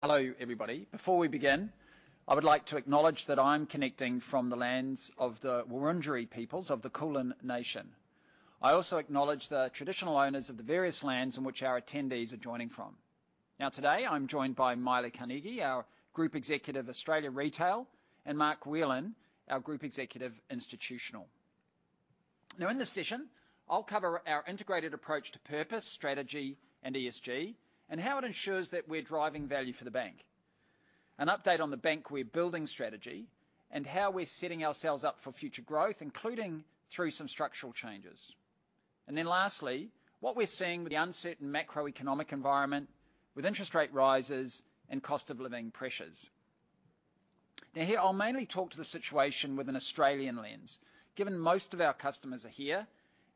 Hello, everybody. Before we begin, I would like to acknowledge that I'm connecting from the lands of the Wurundjeri peoples of the Kulin Nation. I also acknowledge the traditional owners of the various lands in which our attendees are joining from. Now, today, I'm joined by Maile Carnegie, our Group Executive, Australia Retail, and Mark Whelan, our Group Executive, Institutional. Now in this session, I'll cover our integrated approach to purpose, strategy and ESG, and how it ensures that we're driving value for the bank. An update on the bank we're building strategy, and how we're setting ourselves up for future growth, including through some structural changes. Then lastly, what we're seeing with the uncertain macroeconomic environment with interest rate rises and cost of living pressures. Now, here I'll mainly talk to the situation with an Australian lens, given most of our customers are here,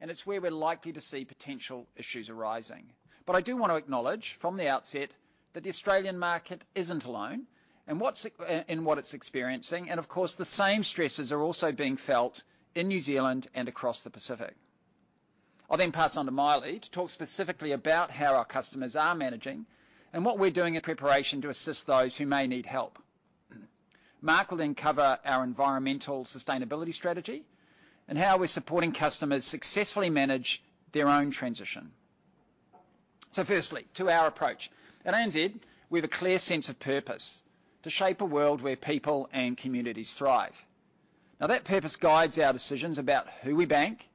and it's where we're likely to see potential issues arising. I do want to acknowledge from the outset that the Australian market isn't alone in what's, in what it's experiencing. Of course, the same stresses are also being felt in New Zealand and across the Pacific. I'll then pass on to Maile to talk specifically about how our customers are managing and what we're doing in preparation to assist those who may need help. Mark will then cover our environmental sustainability strategy and how we're supporting customers successfully manage their own transition. Firstly, to our approach. At ANZ, we have a clear sense of purpose: to shape a world where people and communities thrive. Now that purpose guides our decisions about who we bank,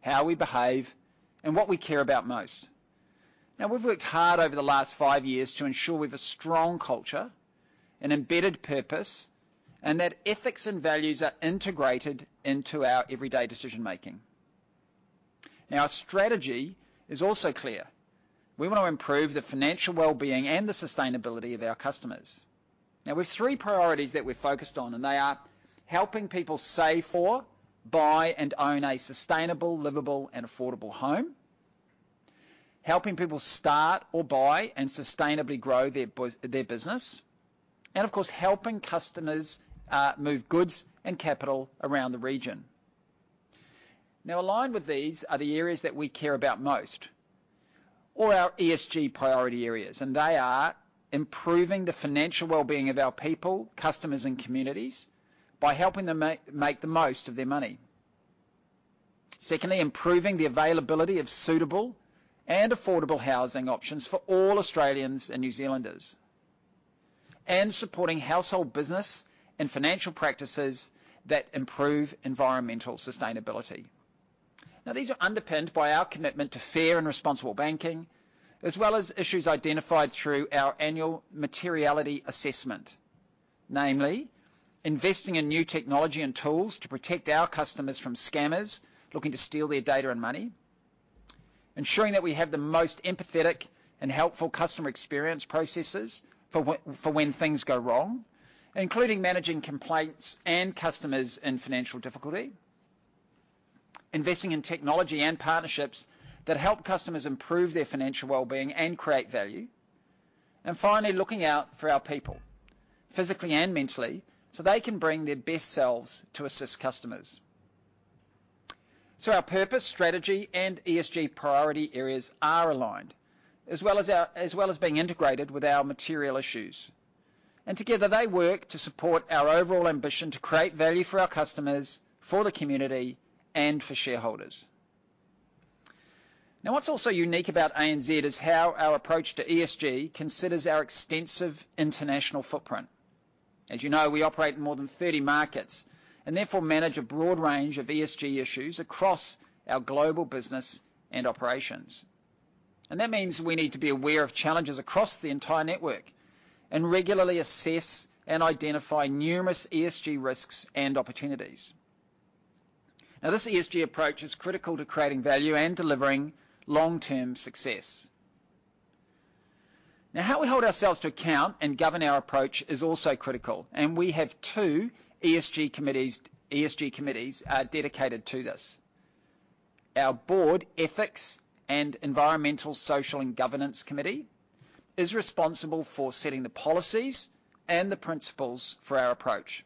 how we behave, and what we care about most. Now, we've worked hard over the last five years to ensure we've a strong culture, an embedded purpose, and that ethics and values are integrated into our everyday decision-making. Now, our strategy is also clear. We want to improve the financial well-being and the sustainability of our customers. Now we've three priorities that we're focused on, and they are helping people save for, buy and own a sustainable, livable and affordable home. Helping people start or buy and sustainably grow their business. Of course, helping customers move goods and capital around the region. Now, aligned with these are the areas that we care about most or our ESG priority areas, and they are improving the financial well-being of our people, customers and communities by helping them make the most of their money. Secondly, improving the availability of suitable and affordable housing options for all Australians and New Zealanders. Supporting household, business and financial practices that improve environmental sustainability. Now, these are underpinned by our commitment to fair and responsible banking, as well as issues identified through our annual materiality assessment. Namely, investing in new technology and tools to protect our customers from scammers looking to steal their data and money. Ensuring that we have the most empathetic and helpful customer experience processes for for when things go wrong, including managing complaints and customers in financial difficulty. Investing in technology and partnerships that help customers improve their financial well-being and create value. Finally, looking out for our people, physically and mentally, so they can bring their best selves to assist customers. Our purpose, strategy and ESG priority areas are aligned as well as being integrated with our material issues. Together they work to support our overall ambition to create value for our customers, for the community and for shareholders. Now, what's also unique about ANZ is how our approach to ESG considers our extensive international footprint. As you know, we operate in more than 30 markets and therefore manage a broad range of ESG issues across our global business and operations. That means we need to be aware of challenges across the entire network and regularly assess and identify numerous ESG risks and opportunities. Now, this ESG approach is critical to creating value and delivering long-term success. Now, how we hold ourselves to account and govern our approach is also critical, and we have two ESG committees dedicated to this. Our Board Ethics and Environmental, Social and Governance Committee is responsible for setting the policies and the principles for our approach.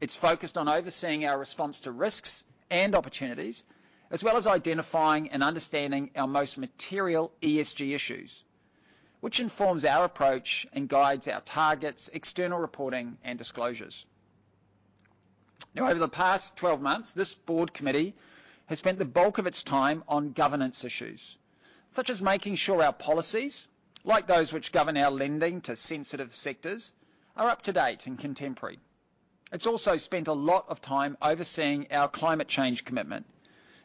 It's focused on overseeing our response to risks and opportunities, as well as identifying and understanding our most material ESG issues, which informs our approach and guides our targets, external reporting and disclosures. Over the past 12 months, this board committee has spent the bulk of its time on governance issues, such as making sure our policies, like those which govern our lending to sensitive sectors, are up-to-date and contemporary. It's also spent a lot of time overseeing our climate change commitment,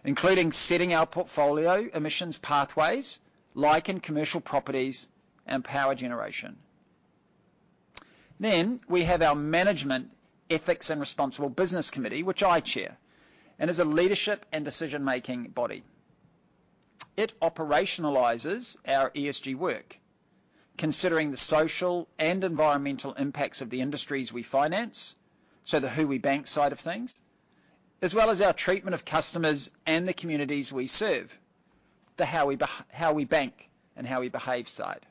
including setting our portfolio emissions pathways, like in commercial properties and power generation. We have our Ethics and Responsible Business Committee, which I chair, and is a leadership and decision-making body. It operationalizes our ESG work, considering the social and environmental impacts of the industries we finance, so the who we bank side of things, as well as our treatment of customers and the communities we serve, the how we bank and how we behave side.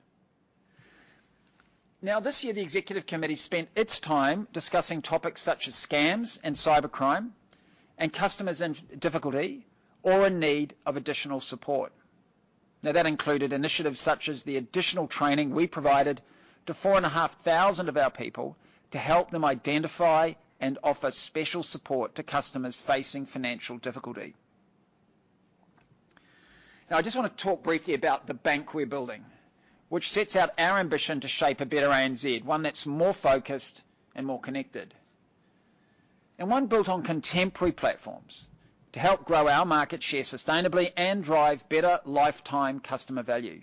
This year, the executive committee spent its time discussing topics such as scams and cybercrime and customers in difficulty or in need of additional support. That included initiatives such as the additional training we provided to 4,500 of our people to help them identify and offer special support to customers facing financial difficulty. Now, I just wanna talk briefly about the bank we're building, which sets out our ambition to shape a better ANZ, one that's more focused and more connected, and one built on contemporary platforms to help grow our market share sustainably and drive better lifetime customer value.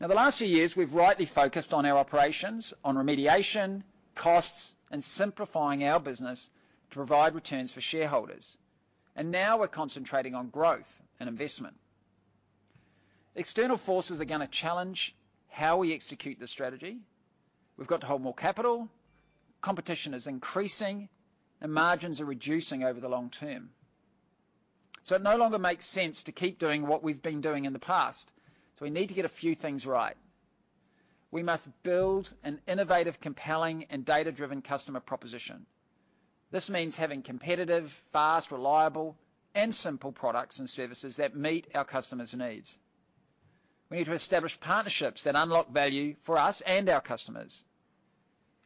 Now, the last few years, we've rightly focused on our operations, on remediation, costs, and simplifying our business to provide returns for shareholders, and now we're concentrating on growth and investment. External forces are gonna challenge how we execute the strategy. We've got to hold more capital. Competition is increasing, and margins are reducing over the long term. It no longer makes sense to keep doing what we've been doing in the past, so we need to get a few things right. We must build an innovative, compelling, and data-driven customer proposition. This means having competitive, fast, reliable, and simple products and services that meet our customers' needs. We need to establish partnerships that unlock value for us and our customers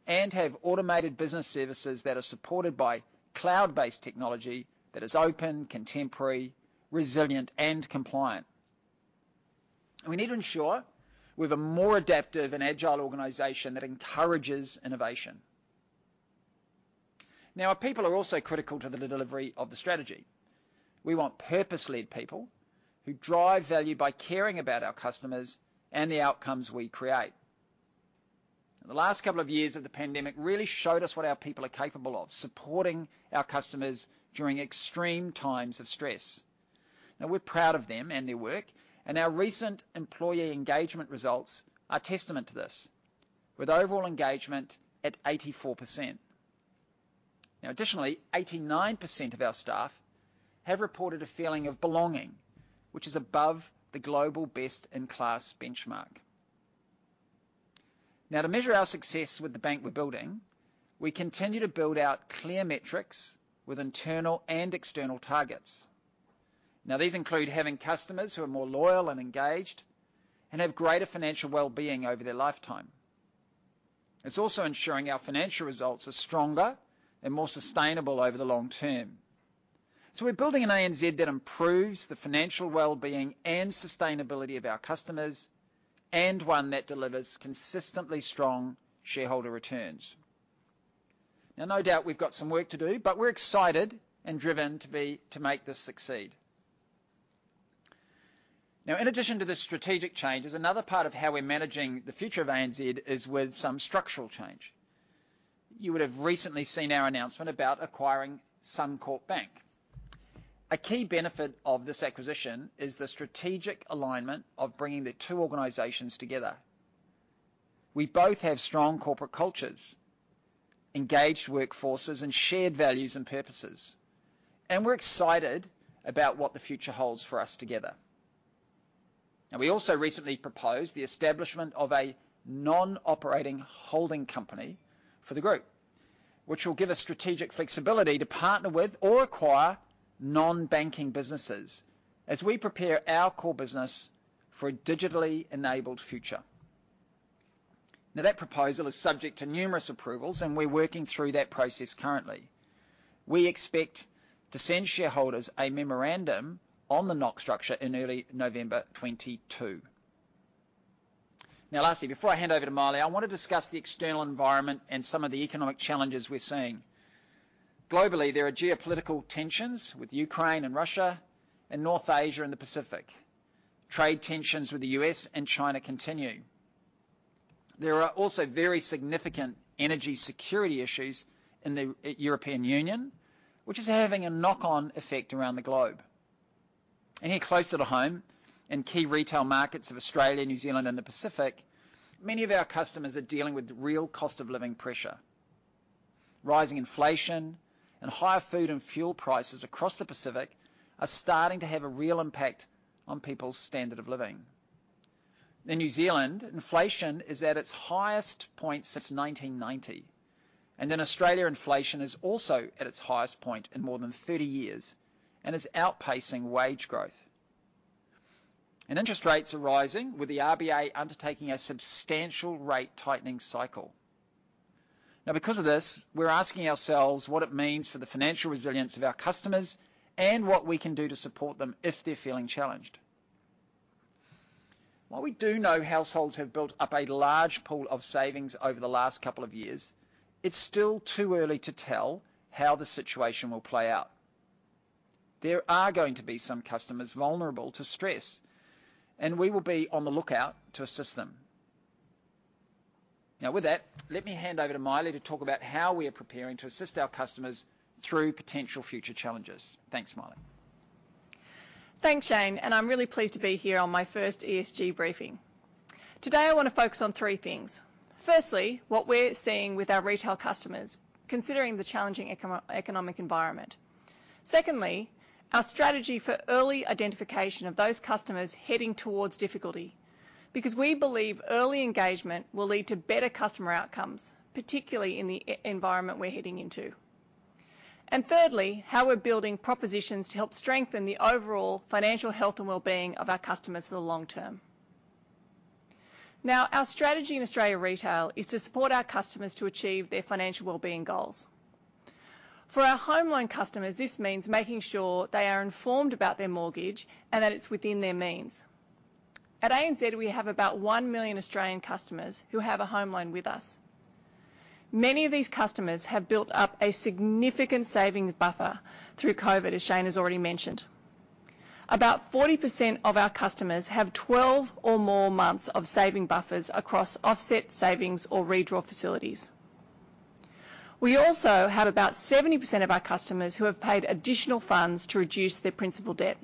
and have automated business services that are supported by cloud-based technology that is open, contemporary, resilient, and compliant. We need to ensure we've a more adaptive and agile organization that encourages innovation. Now, our people are also critical to the delivery of the strategy. We want purpose-led people who drive value by caring about our customers and the outcomes we create. The last couple of years of the pandemic really showed us what our people are capable of, supporting our customers during extreme times of stress. Now, we're proud of them and their work, and our recent employee engagement results are testament to this, with overall engagement at 84%. Additionally, 89% of our staff have reported a feeling of belonging, which is above the global best-in-class benchmark. To measure our success with the bank we're building, we continue to build out clear metrics with internal and external targets. These include having customers who are more loyal and engaged and have greater financial wellbeing over their lifetime. It's also ensuring our financial results are stronger and more sustainable over the long term. We're building an ANZ that improves the financial wellbeing and sustainability of our customers and one that delivers consistently strong shareholder returns. No doubt we've got some work to do, but we're excited and driven to make this succeed. In addition to the strategic changes, another part of how we're managing the future of ANZ is with some structural change. You would have recently seen our announcement about acquiring Suncorp Bank. A key benefit of this acquisition is the strategic alignment of bringing the two organizations together. We both have strong corporate cultures, engaged workforces, and shared values and purposes, and we're excited about what the future holds for us together. Now, we also recently proposed the establishment of a non-operating holding company for the group, which will give us strategic flexibility to partner with or acquire non-banking businesses as we prepare our core business for a digitally enabled future. Now, that proposal is subject to numerous approvals, and we're working through that process currently. We expect to send shareholders a memorandum on the NOHC structure in early November 2022. Now, lastly, before I hand over to Maile, I want to discuss the external environment and some of the economic challenges we're seeing. Globally, there are geopolitical tensions with Ukraine and Russia and North Asia and the Pacific. Trade tensions with the U.S. and China continue. There are also very significant energy security issues in the European Union, which is having a knock-on effect around the globe. Here, closer to home, in key retail markets of Australia, New Zealand and the Pacific, many of our customers are dealing with real cost of living pressure. Rising inflation and higher food and fuel prices across the Pacific are starting to have a real impact on people's standard of living. In New Zealand, inflation is at its highest point since 1990, and in Australia, inflation is also at its highest point in more than 30 years and is outpacing wage growth. Interest rates are rising, with the RBA undertaking a substantial rate tightening cycle. Now, because of this, we're asking ourselves what it means for the financial resilience of our customers and what we can do to support them if they're feeling challenged. While we do know households have built up a large pool of savings over the last couple of years, it's still too early to tell how the situation will play out. There are going to be some customers vulnerable to stress, and we will be on the lookout to assist them. Now, with that, let me hand over to Maile to talk about how we are preparing to assist our customers through potential future challenges. Thanks, Maile. Thanks, Shayne, and I'm really pleased to be here on my first ESG briefing. Today, I want to focus on three things. Firstly, what we're seeing with our retail customers, considering the challenging macro-economic environment. Secondly, our strategy for early identification of those customers heading towards difficulty, because we believe early engagement will lead to better customer outcomes, particularly in the economic environment we're heading into. Thirdly, how we're building propositions to help strengthen the overall financial health and wellbeing of our customers for the long term. Now, our strategy in Australia Retail is to support our customers to achieve their financial wellbeing goals. For our home loan customers, this means making sure they are informed about their mortgage and that it's within their means. At ANZ, we have about 1 million Australian customers who have a home loan with us. Many of these customers have built up a significant savings buffer through COVID, as Shayne has already mentioned. About 40% of our customers have 12 or more months of saving buffers across offset savings or redraw facilities. We also have about 70% of our customers who have paid additional funds to reduce their principal debt.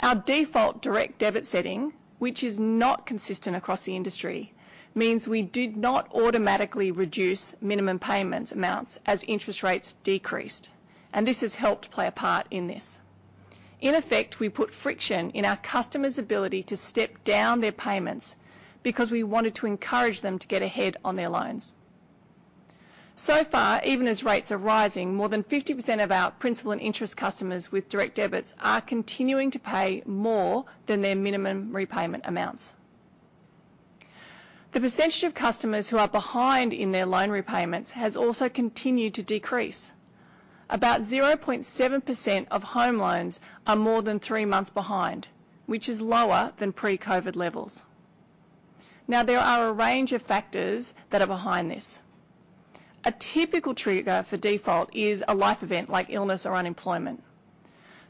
Our default direct debit setting, which is not consistent across the industry, means we did not automatically reduce minimum payments amounts as interest rates decreased, and this has helped play a part in this. In effect, we put friction in our customers' ability to step down their payments because we wanted to encourage them to get ahead on their loans. So far, even as rates are rising, more than 50% of our principal and interest customers with direct debits are continuing to pay more than their minimum repayment amounts. The percentage of customers who are behind in their loan repayments has also continued to decrease. About 0.7% of home loans are more than three months behind, which is lower than pre-COVID levels. Now, there are a range of factors that are behind this. A typical trigger for default is a life event, like illness or unemployment.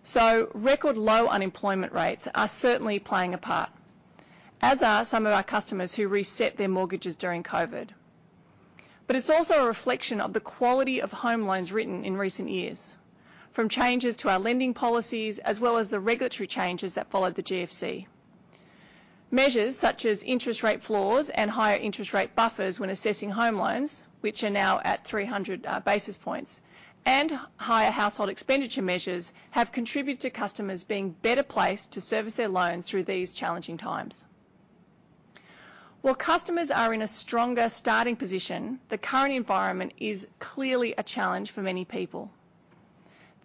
So record low unemployment rates are certainly playing a part, as are some of our customers who reset their mortgages during COVID. It's also a reflection of the quality of home loans written in recent years, from changes to our lending policies, as well as the regulatory changes that followed the GFC. Measures such as interest rate floors and higher interest rate buffers when assessing home loans, which are now at 300 basis points, and higher household expenditure measures have contributed to customers being better placed to service their loans through these challenging times. While customers are in a stronger starting position, the current environment is clearly a challenge for many people.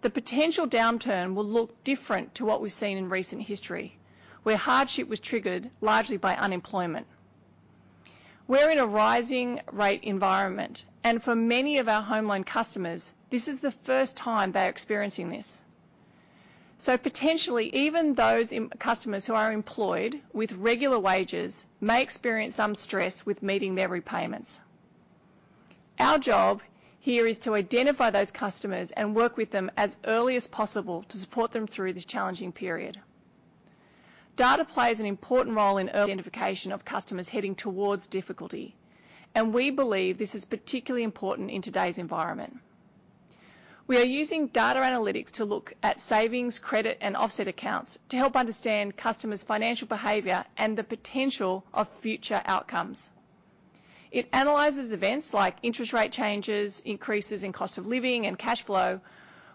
The potential downturn will look different to what we've seen in recent history, where hardship was triggered largely by unemployment. We're in a rising rate environment, and for many of our home loan customers, this is the first time they are experiencing this. Potentially, even those customers who are employed with regular wages may experience some stress with meeting their repayments. Our job here is to identify those customers and work with them as early as possible to support them through this challenging period. Data plays an important role in early identification of customers heading towards difficulty, and we believe this is particularly important in today's environment. We are using data analytics to look at savings, credit, and offset accounts to help understand customers' financial behavior and the potential of future outcomes. It analyzes events like interest rate changes, increases in cost of living and cash flow,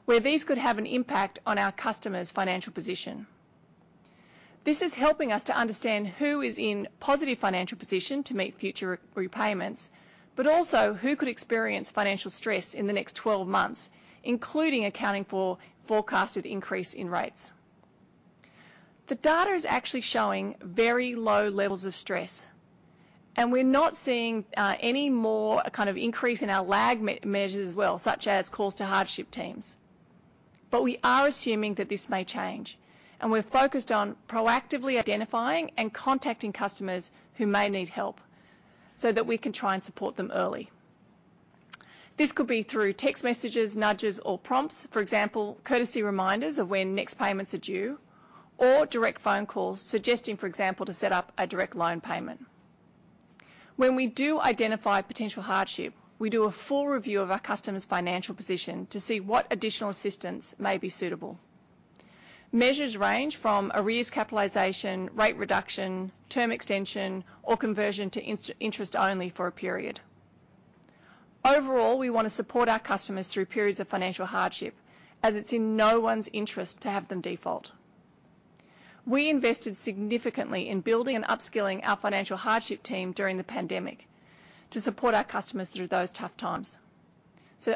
where these could have an impact on our customers' financial position. This is helping us to understand who is in positive financial position to meet future repayments, but also who could experience financial stress in the next 12 months, including accounting for forecasted increase in rates. The data is actually showing very low levels of stress, and we're not seeing any more, kind of increase in our lagging measures as well, such as calls to hardship teams. We are assuming that this may change, and we're focused on proactively identifying and contacting customers who may need help so that we can try and support them early. This could be through text messages, nudges, or prompts, for example, courtesy reminders of when next payments are due, or direct phone calls suggesting, for example, to set up a direct loan payment. When we do identify potential hardship, we do a full review of our customer's financial position to see what additional assistance may be suitable. Measures range from arrears capitalization, rate reduction, term extension, or conversion to interest-only for a period. Overall, we wanna support our customers through periods of financial hardship as it's in no one's interest to have them default. We invested significantly in building and upskilling our financial hardship team during the pandemic to support our customers through those tough times.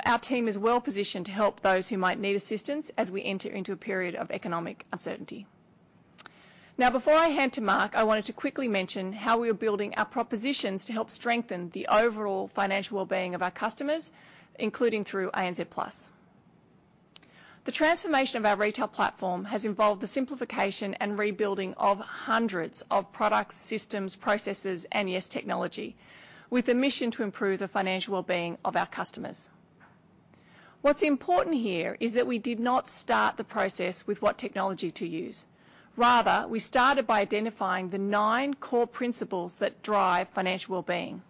Our team is well-positioned to help those who might need assistance as we enter into a period of economic uncertainty. Now, before I hand to Mark, I wanted to quickly mention how we are building our propositions to help strengthen the overall financial wellbeing of our customers, including through ANZ Plus. The transformation of our retail platform has involved the simplification and rebuilding of hundreds of products, systems, processes, and yes, technology with a mission to improve the financial wellbeing of our customers. What's important here is that we did not start the process with what technology to use. Rather, we started by identifying the nine core principles that drive financial wellbeing.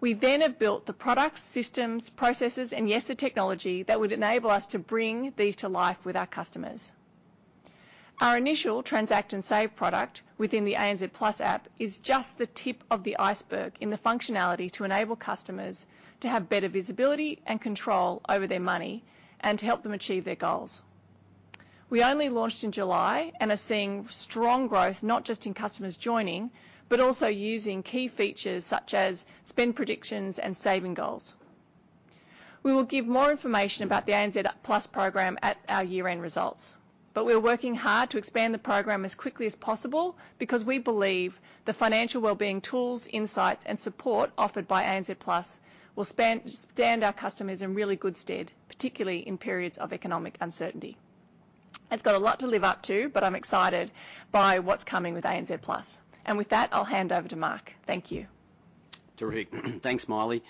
We have built the products, systems, processes, and yes, the technology that would enable us to bring these to life with our customers. Our initial Transact and Save product within the ANZ Plus app is just the tip of the iceberg in the functionality to enable customers to have better visibility and control over their money and to help them achieve their goals. We only launched in July and are seeing strong growth, not just in customers joining, but also using key features such as spend predictions and saving goals. We will give more information about the ANZ Plus program at our year-end results, but we're working hard to expand the program as quickly as possible because we believe the financial well-being tools, insights, and support offered by ANZ Plus will stand our customers in really good stead, particularly in periods of economic uncertainty. It's got a lot to live up to, but I'm excited by what's coming with ANZ Plus. With that, I'll hand over to Mark. Thank you. Terrific. Thanks, Maile.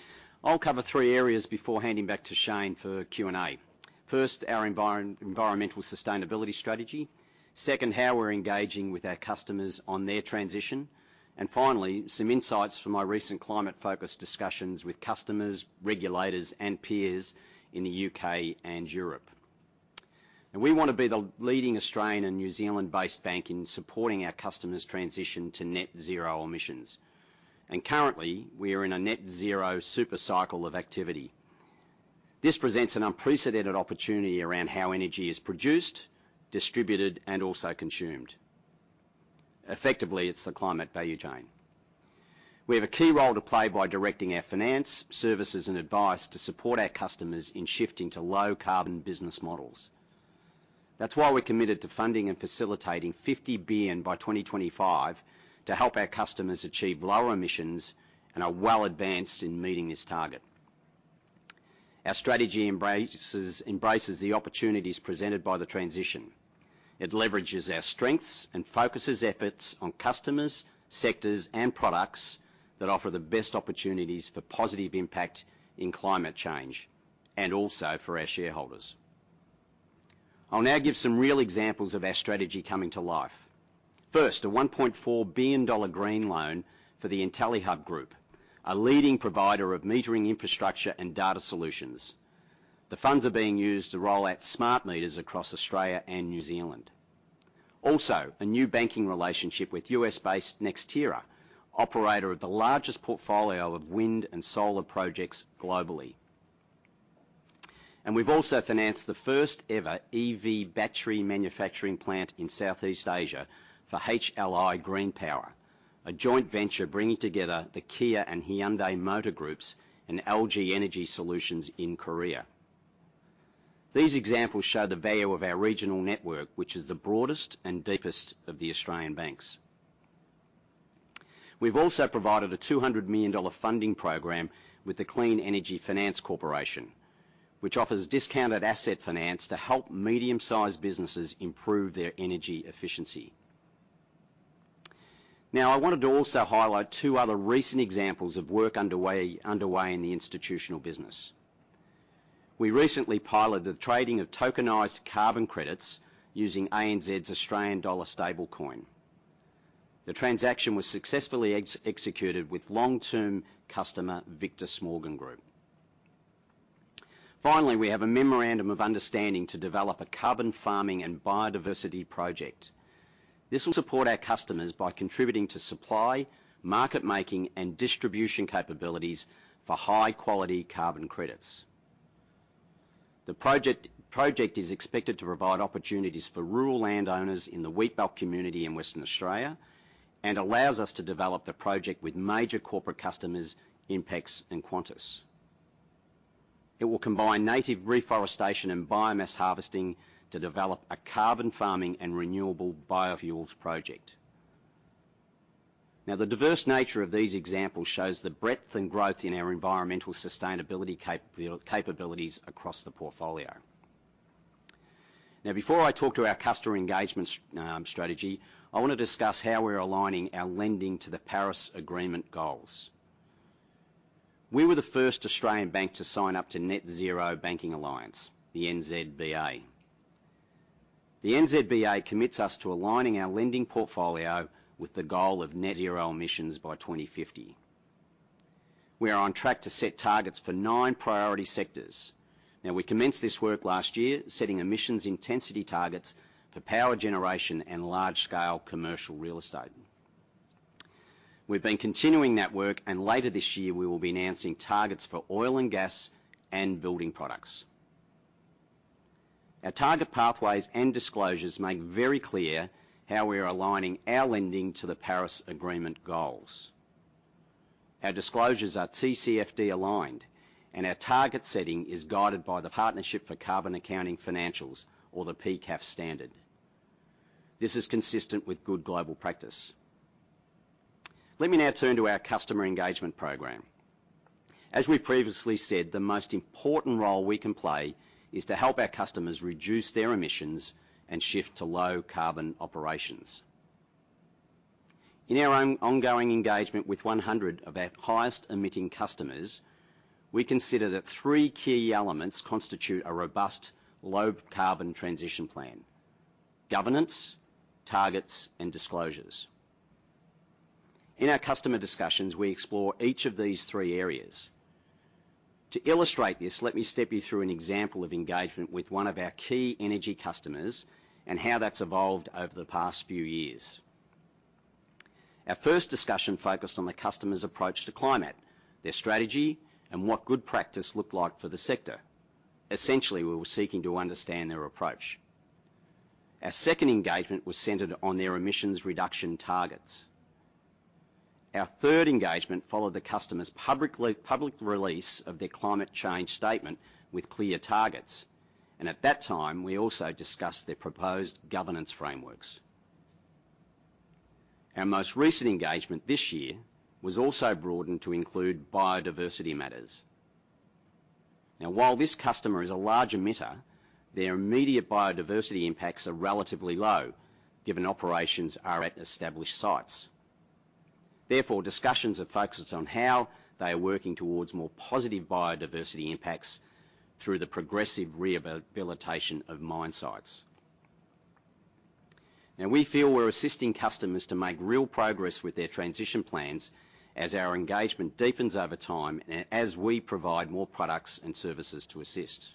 I'll cover three areas before handing back to Shayne for Q&A. First, our environmental sustainability strategy. Second, how we're engaging with our customers on their transition. Finally, some insights from my recent climate-focused discussions with customers, regulators, and peers in the UK and Europe. We want to be the leading Australian and New Zealand-based bank in supporting our customers' transition to net zero emissions. Currently, we are in a net zero super cycle of activity. This presents an unprecedented opportunity around how energy is produced, distributed, and also consumed. Effectively, it's the climate value chain. We have a key role to play by directing our finance, services, and advice to support our customers in shifting to low carbon business models. That's why we're committed to funding and facilitating 50 billion by 2025 to help our customers achieve lower emissions and are well advanced in meeting this target. Our strategy embraces the opportunities presented by the transition. It leverages our strengths and focuses efforts on customers, sectors, and products that offer the best opportunities for positive impact in climate change and also for our shareholders. I'll now give some real examples of our strategy coming to life. First, a one point four billion dollar green loan for the Intellihub Group, a leading provider of metering infrastructure and data solutions. The funds are being used to roll out smart meters across Australia and New Zealand. Also, a new banking relationship with U.S.-based NextEra Energy, operator of the largest portfolio of wind and solar projects globally. We've also financed the first ever EV battery manufacturing plant in Southeast Asia for HLI Green Power, a joint venture bringing together the Kia and Hyundai Motor Group and LG Energy Solution in Korea. These examples show the value of our regional network, which is the broadest and deepest of the Australian banks. We've also provided a 200 million dollar funding program with the Clean Energy Finance Corporation, which offers discounted asset finance to help medium-sized businesses improve their energy efficiency. Now, I wanted to also highlight two other recent examples of work underway in the institutional business. We recently piloted the trading of tokenized carbon credits using ANZ's Australian dollar stablecoin. The transaction was successfully executed with long-term customer, Victor Smorgon Group. Finally, we have a memorandum of understanding to develop a carbon farming and biodiversity project. This will support our customers by contributing to supply, market-making, and distribution capabilities for high-quality carbon credits. The project is expected to provide opportunities for rural landowners in the Wheatbelt community in Western Australia and allows us to develop the project with major corporate customers, INPEX and Qantas. It will combine native reforestation and biomass harvesting to develop a carbon farming and renewable biofuels project. Now, the diverse nature of these examples shows the breadth and growth in our environmental sustainability capabilities across the portfolio. Now, before I talk to our customer engagement strategy, I want to discuss how we're aligning our lending to the Paris Agreement goals. We were the first Australian bank to sign up to Net Zero Banking Alliance, the NZBA. The NZBA commits us to aligning our lending portfolio with the goal of net zero emissions by 2050. We are on track to set targets for nine priority sectors. Now, we commenced this work last year, setting emissions intensity targets for power generation and large scale commercial real estate. We've been continuing that work, and later this year, we will be announcing targets for oil and gas and building products. Our target pathways and disclosures make very clear how we are aligning our lending to the Paris Agreement goals. Our disclosures are TCFD-aligned, and our target setting is guided by the Partnership for Carbon Accounting Financials or the PCAF standard. This is consistent with good global practice. Let me now turn to our customer engagement program. As we previously said, the most important role we can play is to help our customers reduce their emissions and shift to low carbon operations. In our ongoing engagement with 100 of our highest emitting customers, we consider that three key elements constitute a robust low carbon transition plan: governance, targets and disclosures. In our customer discussions, we explore each of these three areas. To illustrate this, let me step you through an example of engagement with one of our key energy customers and how that's evolved over the past few years. Our first discussion focused on the customer's approach to climate, their strategy, and what good practice looked like for the sector. Essentially, we were seeking to understand their approach. Our second engagement was centered on their emissions reduction targets. Our third engagement followed the customer's public release of their climate change statement with clear targets. At that time, we also discussed their proposed governance frameworks. Our most recent engagement this year was also broadened to include biodiversity matters. Now, while this customer is a large emitter, their immediate biodiversity impacts are relatively low given operations are at established sites. Therefore, discussions have focused on how they are working towards more positive biodiversity impacts through the progressive rehabilitation of mine sites. Now, we feel we're assisting customers to make real progress with their transition plans as our engagement deepens over time and as we provide more products and services to assist.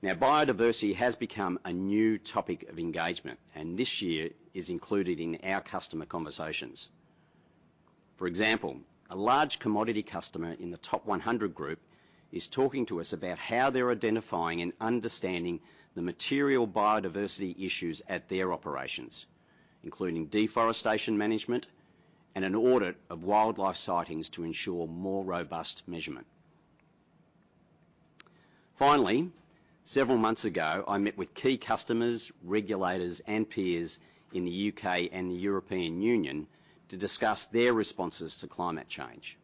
Now, biodiversity has become a new topic of engagement, and this year is included in our customer conversations. For example, a large commodity customer in the top 100 group is talking to us about how they're identifying and understanding the material biodiversity issues at their operations, including deforestation management and an audit of wildlife sightings to ensure more robust measurement. Finally, several months ago, I met with key customers, regulators, and peers in the UK and the European Union to discuss their responses to climate change.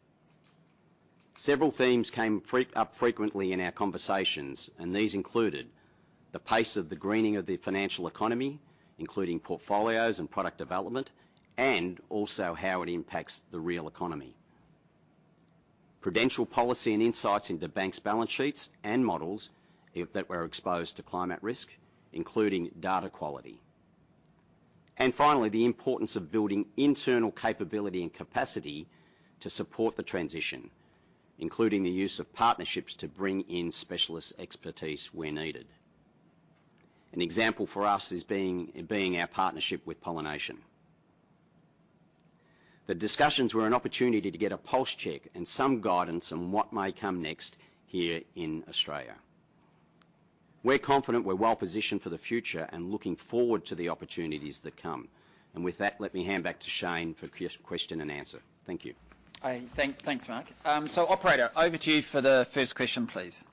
Several themes came up frequently in our conversations, and these included the pace of the greening of the financial economy, including portfolios and product development, and also how it impacts the real economy. Prudential policy and insights into banks' balance sheets and models that were exposed to climate risk, including data quality. Finally, the importance of building internal capability and capacity to support the transition, including the use of partnerships to bring in specialist expertise where needed. An example for us is our partnership with Pollination. The discussions were an opportunity to get a pulse check and some guidance on what may come next here in Australia. We're confident we're well-positioned for the future and looking forward to the opportunities that come. With that, let me hand back to Shayne for question and answer. Thank you. Thanks, Mark. Operator, over to you for the first question, please.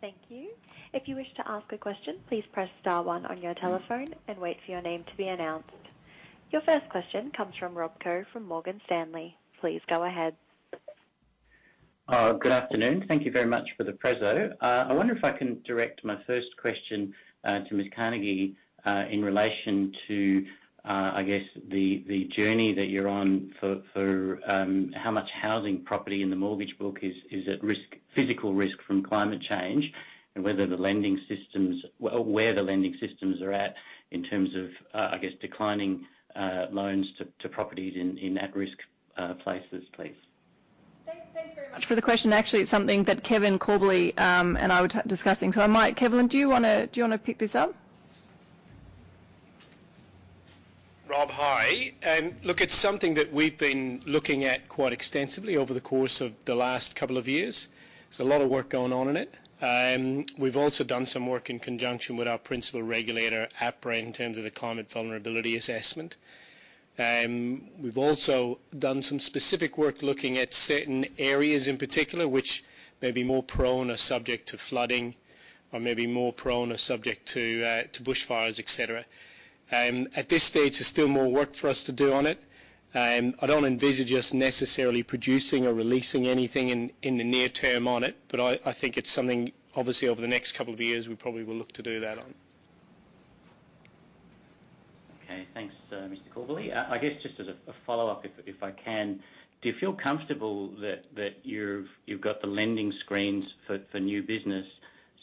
Thank you. If you wish to ask a question, please press star one on your telephone and wait for your name to be announced. Your first question comes from Rob Koh from Morgan Stanley. Please go ahead. Good afternoon. Thank you very much for the presentation. I wonder if I can direct my first question to Ms. Carnegie in relation to, I guess, the journey that you're on for how much housing property in the mortgage book is at risk, physical risk from climate change, and whether the lending systems are at in terms of, I guess, declining loans to properties in at-risk places, please. Thanks very much for the question. Actually, it's something that Kevin Corbally and I were discussing. I might. Kevin, do you wanna pick this up? Rob, hi. Look, it's something that we've been looking at quite extensively over the course of the last couple of years. There's a lot of work going on in it. We've also done some work in conjunction with our principal regulator, APRA, in terms of the climate vulnerability assessment. We've also done some specific work looking at certain areas in particular, which may be more prone or subject to flooding or maybe more prone or subject to bushfires, et cetera. At this stage, there's still more work for us to do on it. I don't envisage us necessarily producing or releasing anything in the near term on it. I think it's something obviously over the next couple of years, we probably will look to do that on. Okay. Thanks, Kevin Corbally. I guess just as a follow-up if I can. Do you feel comfortable that you've got the lending screens for new business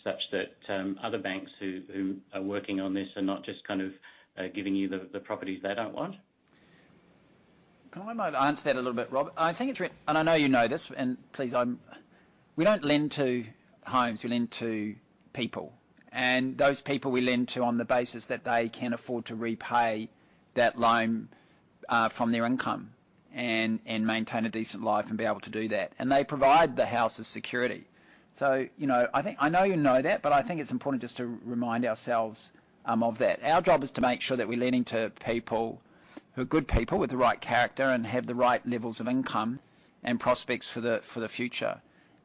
such that other banks who are working on this are not just kind of giving you the properties they don't want? Can I maybe answer that a little bit, Rob? I know you know this, and please, we don't lend to homes, we lend to people. Those people we lend to on the basis that they can afford to repay that loan from their income and maintain a decent life and be able to do that. They provide the house as security. You know, I think I know you know that, but I think it's important just to remind ourselves of that. Our job is to make sure that we're lending to people who are good people with the right character and have the right levels of income and prospects for the future.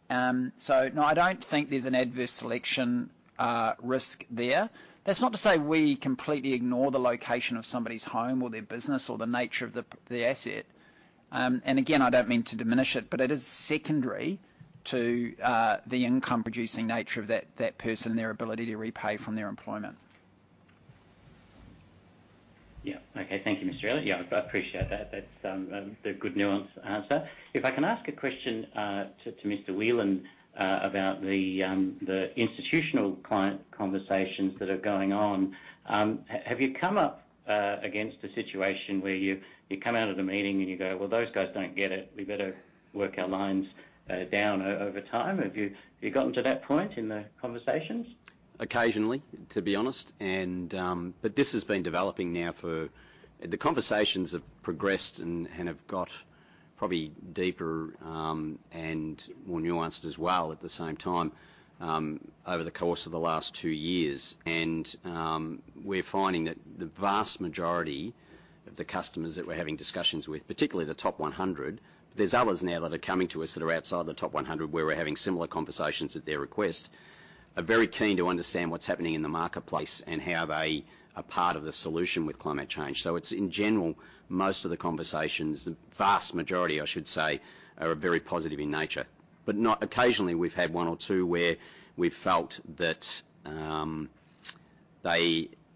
No, I don't think there's an adverse selection risk there. That's not to say we completely ignore the location of somebody's home or their business or the nature of the asset. Again, I don't mean to diminish it, but it is secondary to the income producing nature of that person, their ability to repay from their employment. Yeah. Okay. Thank you, Mr. Elliott. Yeah, I appreciate that. That's the good nuanced answer. If I can ask a question to Mr. Whelan about the institutional client conversations that are going on. Have you come up against a situation where you come out of the meeting and you go, "Well, those guys don't get it. We better work our lines down over time." Have you gotten to that point in the conversations? Occasionally, to be honest. But this has been developing now. The conversations have progressed and have got probably deeper and more nuanced as well at the same time over the course of the last two years. We're finding that the vast majority of the customers that we're having discussions with, particularly the top 100, there's others now that are coming to us that are outside the top 100, where we're having similar conversations at their request, are very keen to understand what's happening in the marketplace and how they are part of the solution with climate change. It's in general, most of the conversations, the vast majority, I should say, are very positive in nature. Occasionally we've had one or two where we've felt that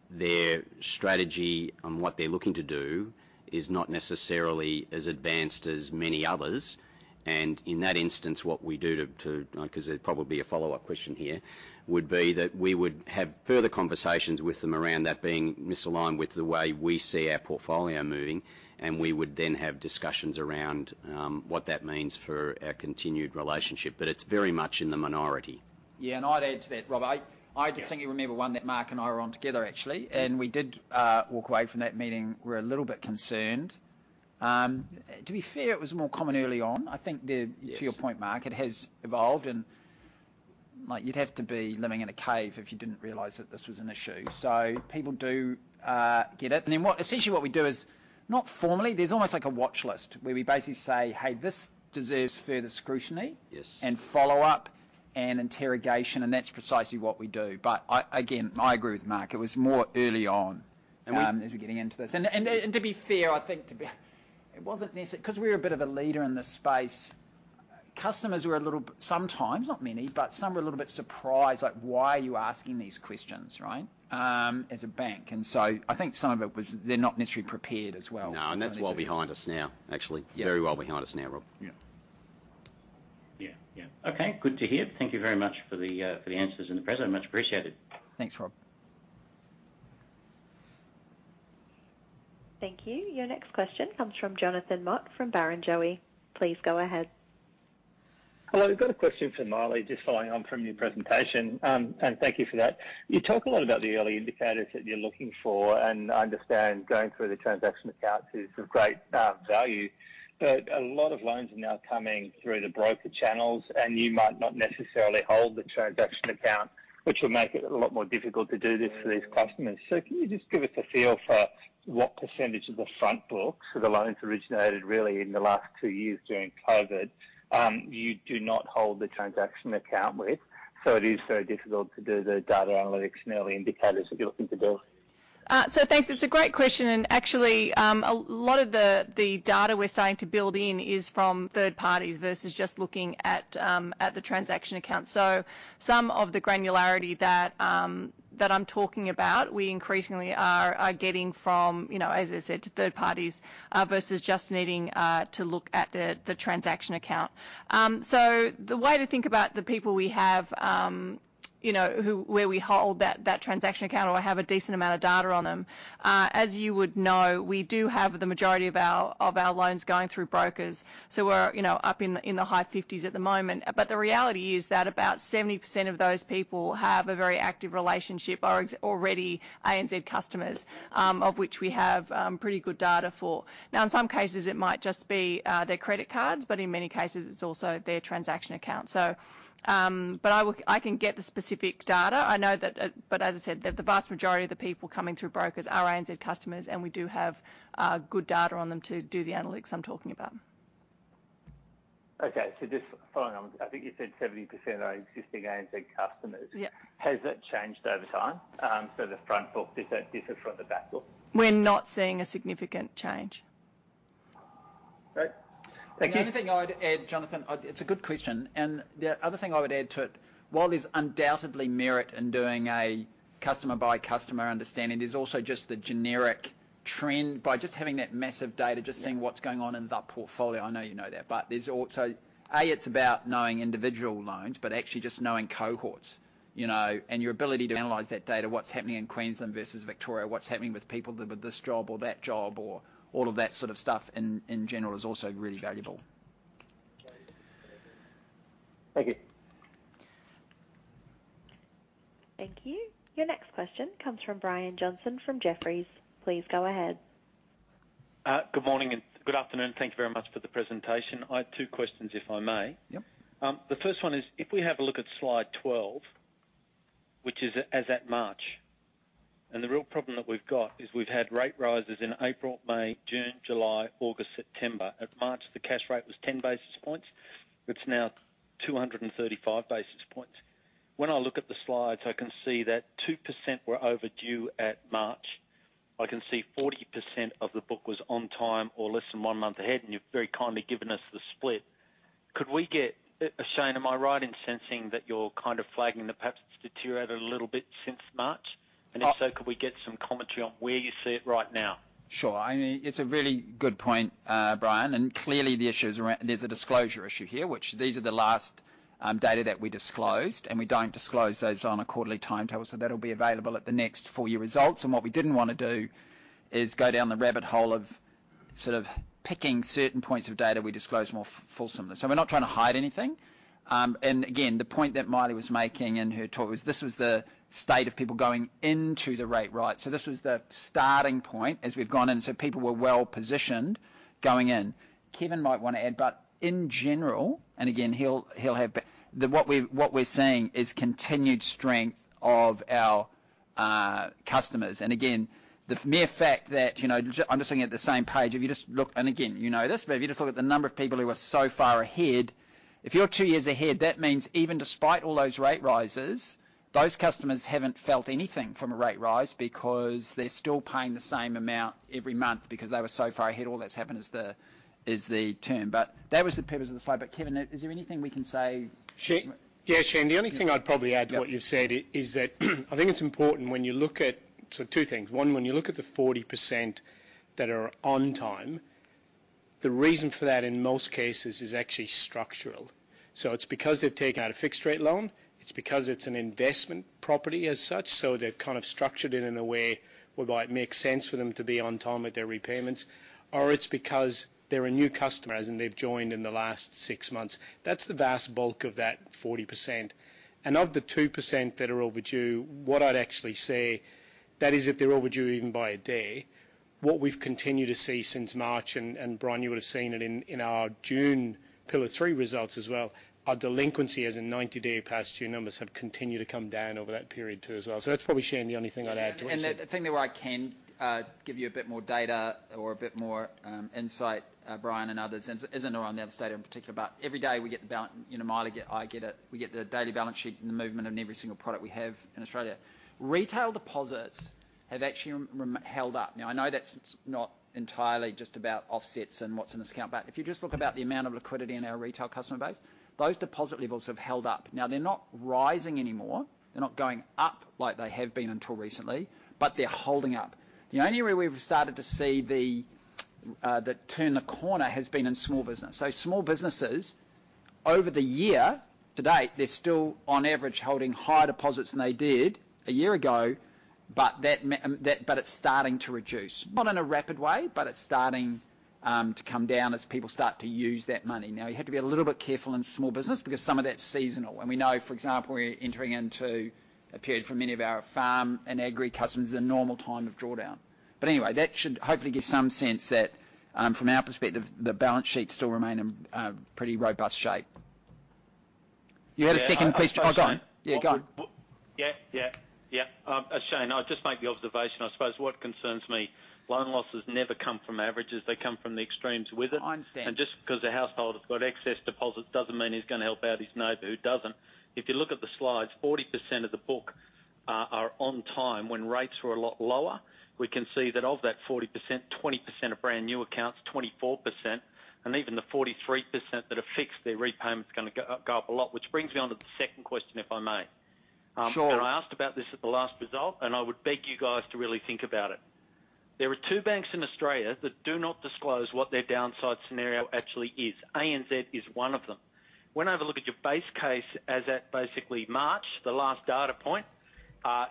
their strategy and what they're looking to do is not necessarily as advanced as many others. In that instance, what we do to 'cause there'd probably be a follow-up question here, would be that we would have further conversations with them around that being misaligned with the way we see our portfolio moving, and we would then have discussions around what that means for our continued relationship. It's very much in the minority. Yeah. I'd add to that, Rob. I Yeah. I distinctly remember one that Mark and I were on together, actually, and we did walk away from that meeting. We were a little bit concerned. To be fair, it was more common early on. I think the Yes. To your point, Mark, it has evolved and, like, you'd have to be living in a cave if you didn't realize that this was an issue. People do get it. Essentially what we do is, not formally, there's almost like a watchlist where we basically say, "Hey, this deserves further scrutiny. Yes. and follow-up and interrogation," and that's precisely what we do. I again agree with Mark, it was more early on as we're getting into this. To be fair, I think it wasn't necessarily 'cause we're a bit of a leader in this space. Customers were a little, sometimes, not many, but some were a little bit surprised, like, "Why are you asking these questions?" right, as a bank. I think some of it was they're not necessarily prepared as well. No. So it's a- That's well behind us now, actually. Yeah. Very well behind us now, Rob. Yeah. Yeah, yeah. Okay, good to hear. Thank you very much for the answers in the presentation. Much appreciated. Thanks, Rob. Thank you. Your next question comes from Jonathan Mott from Barrenjoey. Please go ahead. Hello. I've got a question for Maile, just following on from your presentation. Thank you for that. You talk a lot about the early indicators that you're looking for, and I understand going through the transaction accounts is of great value. A lot of loans are now coming through the broker channels, and you might not necessarily hold the transaction account, which will make it a lot more difficult to do this for these customers. Can you just give us a feel for what percentage of the front book, so the loans originated really in the last two years during COVID, you do not hold the transaction account with, so it is very difficult to do the data analytics and early indicators that you're looking to do? Thanks. It's a great question, and actually, a lot of the data we're starting to build in is from third parties versus just looking at the transaction account. Some of the granularity that I'm talking about, we increasingly are getting from, you know, as I said, to third parties versus just needing to look at the transaction account. The way to think about the people we have, you know, who, where we hold that transaction account or have a decent amount of data on them, as you would know, we do have the majority of our loans going through brokers. We're, you know, up in the high fifties at the moment. The reality is that about 70% of those people have a very active relationship, are already ANZ customers, of which we have pretty good data for. Now, in some cases, it might just be their credit cards, but in many cases it's also their transaction account. I can get the specific data. I know that the vast majority of the people coming through brokers are ANZ customers, and we do have good data on them to do the analytics I'm talking about. Okay. Just following on, I think you said 70% are existing ANZ customers. Yeah. Has that changed over time? The front book, is that different from the back book? We're not seeing a significant change. Great. Thank you. The only thing I'd add, Jonathan, it's a good question. The other thing I would add to it, while there's undoubtedly merit in doing a customer by customer understanding, there's also just the generic trend by just having that massive data. Yeah. Just seeing what's going on in the portfolio. I know you know that. There's also, it's about knowing individual loans, but actually just knowing cohorts, you know. Your ability to analyze that data, what's happening in Queensland versus Victoria, what's happening with people with this job or that job or all of that sort of stuff in general is also really valuable. Okay. Thank you. Thank you. Your next question comes from Brian Johnson from Jefferies. Please go ahead. Good morning and good afternoon. Thank you very much for the presentation. I have two questions, if I may. Yep. The first one is, if we have a look at slide 12, which is as at March, and the real problem that we've got is we've had rate rises in April, May, June, July, August, September. At March, the cash rate was 10 basis points. It's now 235 basis points. When I look at the slides, I can see that 2% were overdue at March. I can see 40% of the book was on time or less than one month ahead, and you've very kindly given us the split. Shayne, am I right in sensing that you're kind of flagging that perhaps it's deteriorated a little bit since March? Oh- If so, could we get some commentary on where you see it right now? Sure. I mean, it's a really good point, Brian, and clearly the issues around. There's a disclosure issue here. Which these are the last data that we disclosed, and we don't disclose those on a quarterly timetable, so that'll be available at the next full year results. What we didn't wanna do is go down the rabbit hole of sort of picking certain points of data we disclose more fully. So we're not trying to hide anything. Again, the point that Maile was making in her talk was this was the state of people going into the rate rise. So this was the starting point as we've gone in, so people were well-positioned going in. Kevin might wanna add, but in general, he'll have. What we're seeing is continued strength of our customers. The mere fact that, you know, I'm just looking at the same page. If you just look. Again, you know this, but if you just look at the number of people who are so far ahead. If you're two years ahead, that means even despite all those rate rises, those customers haven't felt anything from a rate rise because they're still paying the same amount every month because they were so far ahead. All that's happened is the term. That was the purpose of the slide. Kevin, is there anything we can say? Shayne, yeah, Shayne, the only thing I'd probably add. Yep. to what you've said is that, I think it's important when you look at two things. One, when you look at the 40% that are on time, the reason for that, in most cases, is actually structural. It's because they've taken out a fixed rate loan, it's because it's an investment property as such, so they've kind of structured it in a way whereby it makes sense for them to be on time with their repayments, or it's because they're a new customer, as in they've joined in the last six months. That's the vast bulk of that 40%. Of the 2% that are overdue, what I'd actually say, that is if they're overdue even by a day, what we've continued to see since March, and Brian, you would have seen it in our June Pillar 3 results as well, our delinquency, as in 90-day past due numbers, have continued to come down over that period too as well. That's probably, Shayne, the only thing I'd add to what you said. The thing that where I can give you a bit more data or a bit more insight, Brian and others, isn't around that data in particular, but every day we get You know, Maile. I get it. We get the daily balance sheet and the movement of every single product we have in Australia. Retail deposits have actually held up. Now, I know that's not entirely just about offsets and what's in this account, but if you just look about the amount of liquidity in our retail customer base, those deposit levels have held up. Now, they're not rising anymore. They're not going up like they have been until recently, but they're holding up. The only area we've started to see the turn of the corner has been in small business. Small businesses, over the year to date, they're still on average holding higher deposits than they did a year ago, but it's starting to reduce. Not in a rapid way, but it's starting to come down as people start to use that money. Now, you have to be a little bit careful in small business because some of that's seasonal. We know, for example, we're entering into a period for many of our farm and agri customers, a normal time of drawdown. Anyway, that should hopefully give some sense that, from our perspective, the balance sheets still remain in pretty robust shape. You had a second question? Yeah. Oh, Shayne. Oh, go on. Yeah, go on. Yeah. Shayne, I'll just make the observation. I suppose what concerns me, loan losses never come from averages, they come from the extremes with it. I understand. Just because the household has got excess deposits, doesn't mean he's gonna help out his neighbor who doesn't. If you look at the slides, 40% of the book are on time when rates were a lot lower. We can see that of that 40%, 20% are brand new accounts, 24%, and even the 43% that are fixed, their repayment's gonna go up a lot, which brings me on to the second question, if I may. Sure. I asked about this at the last result, and I would beg you guys to really think about it. There are two banks in Australia that do not disclose what their downside scenario actually is. ANZ is one of them. When I have a look at your base case as at basically March, the last data point,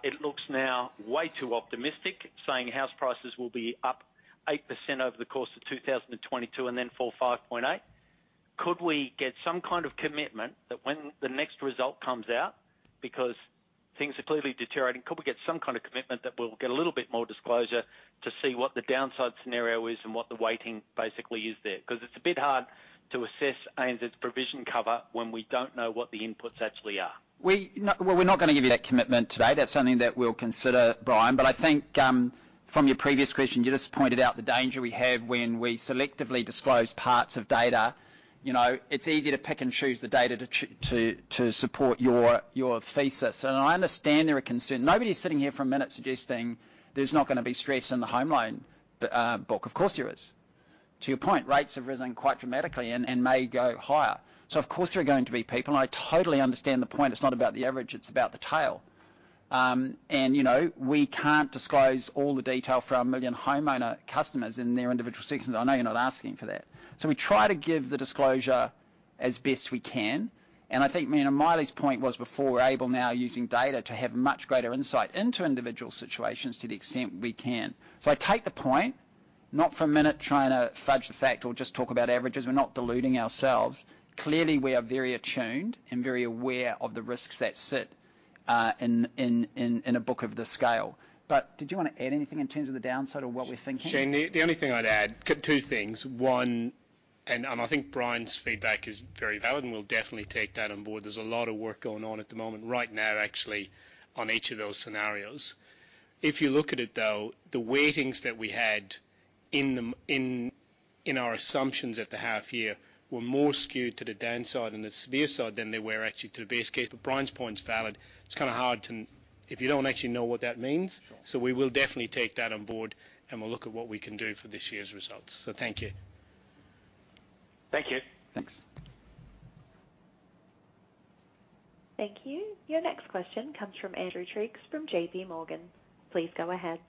it looks now way too optimistic, saying house prices will be up 8% over the course of 2022 and then fall 5.8%. Could we get some kind of commitment that when the next result comes out, because things are clearly deteriorating, could we get some kind of commitment that we'll get a little bit more disclosure to see what the downside scenario is and what the weighting basically is there? Because it's a bit hard to assess ANZ's provision cover when we don't know what the inputs actually are. No, well, we're not gonna give you that commitment today. That's something that we'll consider, Brian. I think from your previous question, you just pointed out the danger we have when we selectively disclose parts of data. You know, it's easy to pick and choose the data to support your thesis. I understand there's a concern. Nobody's sitting here for a minute suggesting there's not gonna be stress in the home loan book. Of course there is. To your point, rates have risen quite dramatically and may go higher. Of course there are going to be people, and I totally understand the point. It's not about the average, it's about the tail. You know, we can't disclose all the detail for our million homeowner customers in their individual circumstances. I know you're not asking for that. We try to give the disclosure as best we can, and I think me and Maile's point was before we're able now using data to have much greater insight into individual situations to the extent we can. I take the point, not for a minute trying to fudge the fact or just talk about averages. We're not deluding ourselves. Clearly, we are very attuned and very aware of the risks that sit in a book of this scale. Did you wanna add anything in terms of the downside or what we're thinking? Shayne, the only thing I'd add. Two things. One, I think Brian's feedback is very valid, and we'll definitely take that on board. There's a lot of work going on at the moment right now, actually, on each of those scenarios. If you look at it, though, the weightings that we had in our assumptions at the half year were more skewed to the downside and the severe side than they were actually to the base case. But Brian's point's valid. It's kinda hard to, if you don't actually know what that means. Sure. We will definitely take that on board, and we'll look at what we can do for this year's results. Thank you. Thank you. Thanks. Thank you. Your next question comes from Andrew Triggs from JPMorgan. Please go ahead.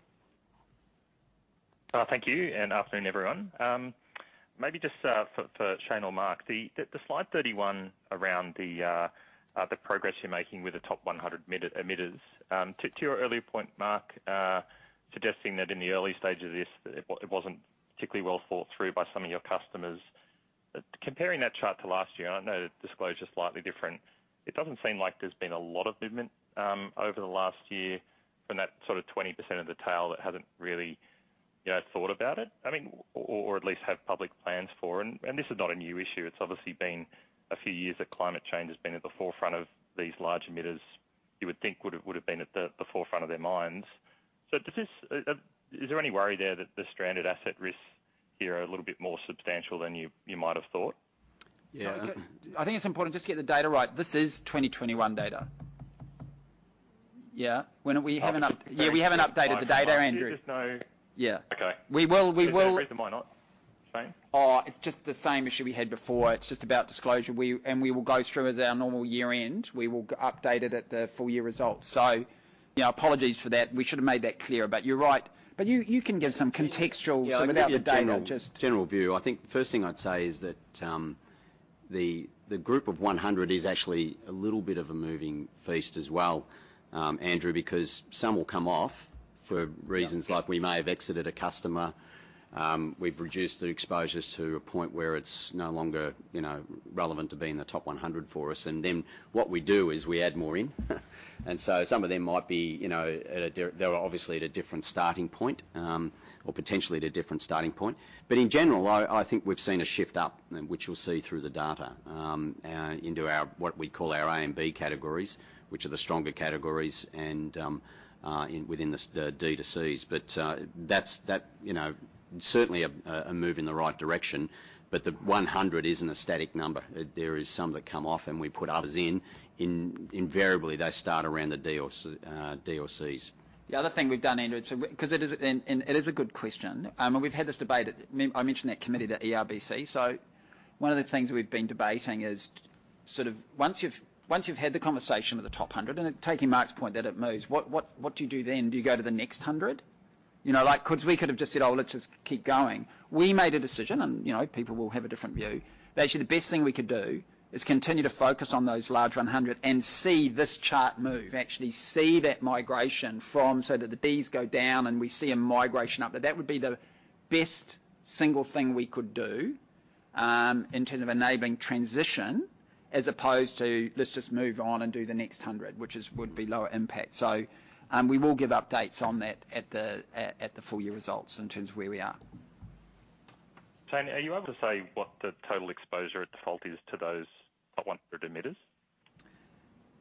Thank you, and good afternoon, everyone. Maybe just for Shayne or Mark. The slide 31 around the progress you're making with the top 100 emitters. To your earlier point, Mark, suggesting that in the early stage of this that it wasn't particularly well thought through by some of your customers. Comparing that chart to last year, and I know the disclosure is slightly different, it doesn't seem like there's been a lot of movement over the last year from that sort of 20% of the tail that hadn't really, you know, thought about it. I mean, or at least have public plans for and this is not a new issue. It's obviously been a few years that climate change has been at the forefront of these large emitters. You would think would have been at the forefront of their minds. Is there any worry there that the stranded asset risks here are a little bit more substantial than you might have thought? Yeah. I think it's important just to get the data right. This is 2021 data. Yeah, we haven't updated the data, Andrew. There's just no... Yeah. Okay. We will. Is there a reason why not, Shayne? It's just the same issue we had before. It's just about disclosure. We will go through as our normal year-end. We will update it at the full year results. You know, apologies for that. We should have made that clearer. You're right. You can give some contextual- Yeah, I can give you a general. Without the data just. General view. I think the first thing I'd say is that the group of 100 is actually a little bit of a moving feast as well, Andrew, because some will come off for reasons like we may have exited a customer, we've reduced the exposures to a point where it's no longer, you know, relevant to be in the top 100 for us. What we do is we add more in. Some of them might be, you know, they're obviously at a different starting point, or potentially at a different starting point. In general, I think we've seen a shift up, and which you'll see through the data, into our what we call our A and B categories, which are the stronger categories and within the D to Cs. That's you know certainly a move in the right direction, but the 100 isn't a static number. There is some that come off and we put others in. Invariably, they start around the D or C, D or Cs. The other thing we've done, Andrew, 'cause it is, and it is a good question. We've had this debate at the committee I mentioned, the ERBC. One of the things we've been debating is sort of once you've had the conversation with the top 100, and taking Mark's point that it moves, what do you do then? Do you go to the next 100? You know, like, 'cause we could have just said, "Oh, let's just keep going." We made a decision, and you know, people will have a different view, but actually the best thing we could do is continue to focus on those large 100 and see this chart move, actually see that migration so that the Ds go down and we see a migration up. That would be the best single thing we could do in terms of enabling transition as opposed to let's just move on and do the next hundred, which would be lower impact. We will give updates on that at the full year results in terms of where we are. Shayne, are you able to say what the total exposure at default is to those top 100 emitters?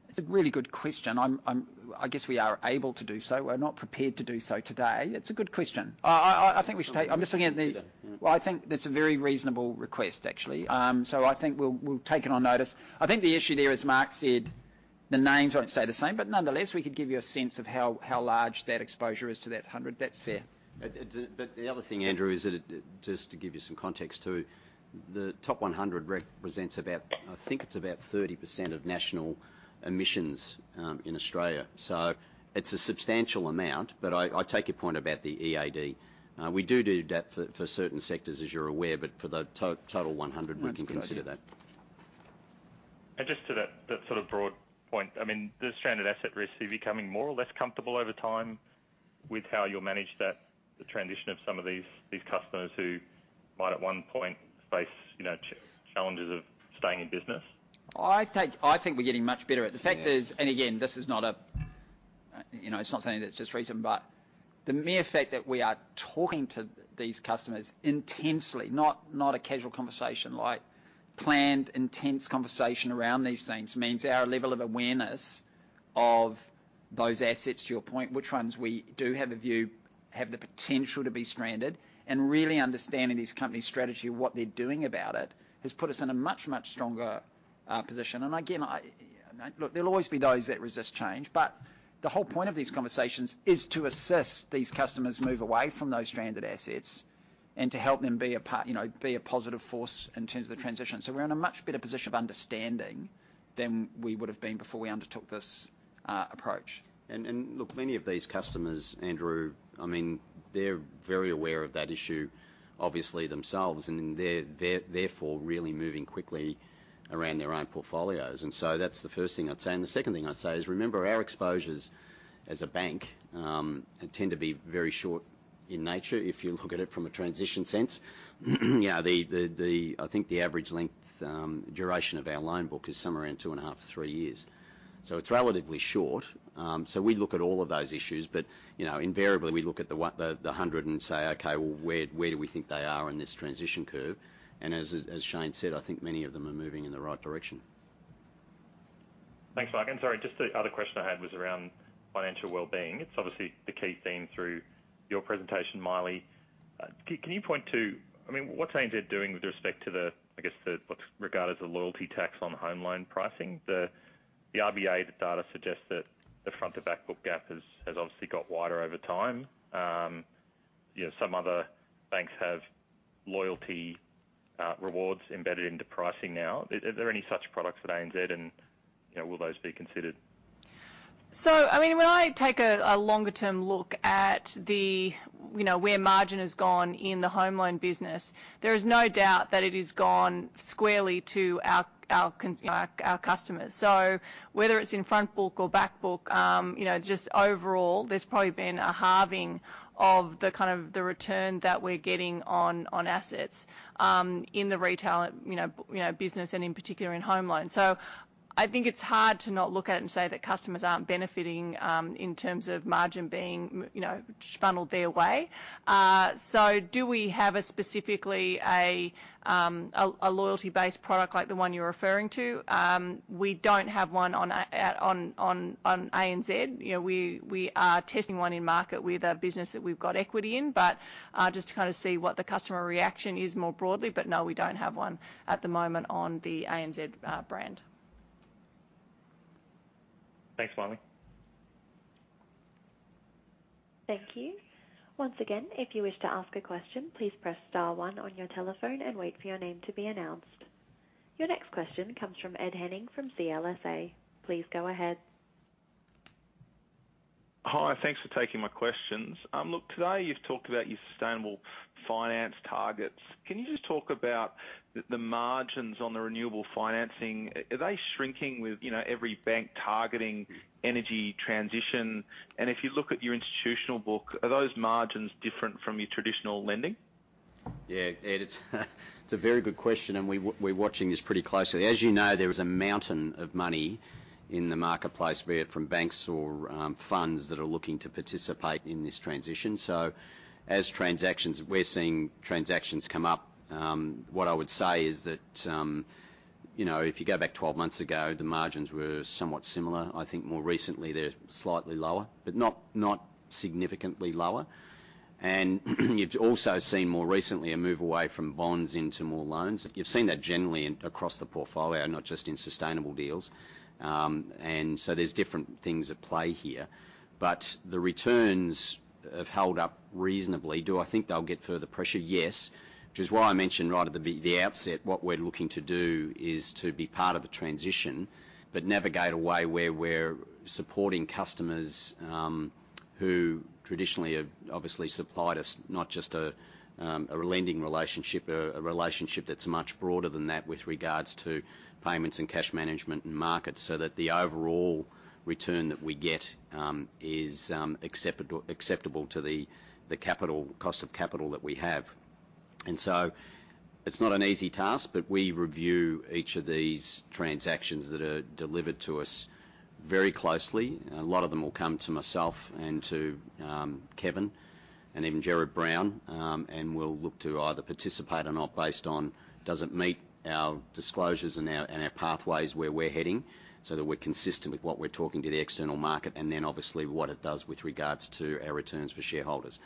It's a really good question. I guess we are able to do so. We're not prepared to do so today. It's a good question. Well, I think that's a very reasonable request, actually. I think we'll take it on notice. I think the issue there, as Mark said, the names won't stay the same, but nonetheless, we could give you a sense of how large that exposure is to that hundred. That's fair. The other thing, Andrew, is that it, just to give you some context too, the top 100 represents about, I think it's about 30% of national emissions in Australia. It's a substantial amount, but I take your point about the EAD. We do that for certain sectors, as you're aware, but for the top total 100- That's correct. We can consider that. Just to that sort of broad point, I mean, the stranded asset risk, are you becoming more or less comfortable over time with how you'll manage that, the transition of some of these customers who might at one point face, you know, challenges of staying in business? I think we're getting much better at it. Yeah. The fact is, again, this is not a, you know, it's not something that's just recent, but the mere fact that we are talking to these customers intensely, not a casual conversation, like planned, intense conversation around these things, means our level of awareness of those assets, to your point, which ones we do have a view have the potential to be stranded, and really understanding these companies' strategy and what they're doing about it, has put us in a much stronger position. Again, I look, there'll always be those that resist change. The whole point of these conversations is to assess these customers move away from those stranded assets and to help them be a part, you know, be a positive force in terms of the transition. We're in a much better position of understanding than we would've been before we undertook this approach. Look, many of these customers, Andrew, I mean, they're very aware of that issue obviously themselves, and they're therefore really moving quickly around their own portfolios. That's the first thing I'd say. The second thing I'd say is remember our exposures as a bank tend to be very short in nature, if you look at it from a transition sense. I think the average length, duration of our loan book is somewhere around 2.5-3 years. So it's relatively short. We look at all of those issues, but you know, invariably, we look at the 100 and say, "Okay, well, where do we think they are in this transition curve?" As Shayne said, I think many of them are moving in the right direction. Thanks, Mark. Sorry, just the other question I had was around financial wellbeing. It's obviously the key theme through your presentation, Maile. Can you point to, I mean, what's ANZ doing with respect to the, I guess the, what's regarded as the loyalty tax on home loan pricing? The RBA data suggests that the front-to-backbook gap has obviously got wider over time. You know, some other banks have loyalty. Rewards embedded into pricing now. Are there any such products at ANZ? You know, will those be considered? I mean, when I take a longer-term look at, you know, where margin has gone in the home loan business, there is no doubt that it has gone squarely to our, you know, our customers. Whether it's in front book or back book, you know, just overall, there's probably been a halving of the kind of the return that we're getting on assets in the retail, you know, business and in particular in home loans. I think it's hard to not look at it and say that customers aren't benefiting in terms of margin being, you know, funneled their way. Do we have specifically a loyalty-based product like the one you're referring to? We don't have one on ANZ. You know, we are testing one in market with a business that we've got equity in. Just to kind of see what the customer reaction is more broadly. No, we don't have one at the moment on the ANZ brand. Thanks, Maile. Thank you. Once again, if you wish to ask a question, please press star one on your telephone and wait for your name to be announced. Your next question comes from Ed Henning from CLSA. Please go ahead. Hi, thanks for taking my questions. Look, today you've talked about your sustainable finance targets. Can you just talk about the margins on the renewable financing? Are they shrinking with, you know, every bank targeting energy transition? If you look at your institutional book, are those margins different from your traditional lending? Yeah, Ed, it's a very good question, and we're watching this pretty closely. As you know, there is a mountain of money in the marketplace, be it from banks or funds that are looking to participate in this transition. So as transactions, we're seeing transactions come up, what I would say is that, you know, if you go back 12 months ago, the margins were somewhat similar. I think more recently they're slightly lower, but not significantly lower. You've also seen more recently a move away from bonds into more loans. You've seen that generally across the portfolio, not just in sustainable deals. There's different things at play here. The returns have held up reasonably. Do I think they'll get further pressure? Yes. Which is why I mentioned right at the outset, what we're looking to do is to be part of the transition, but navigate a way where we're supporting customers who traditionally have obviously supplied us, not just a lending relationship, a relationship that's much broader than that with regards to payments and cash management and markets, so that the overall return that we get is acceptable to the cost of capital that we have. It's not an easy task, but we review each of these transactions that are delivered to us very closely. A lot of them will come to myself and to Kevin and even Gerard Brown. We'll look to either participate or not based on, does it meet our disclosures and our pathways where we're heading, so that we're consistent with what we're talking to the external market, and then obviously what it does with regards to our returns for shareholders.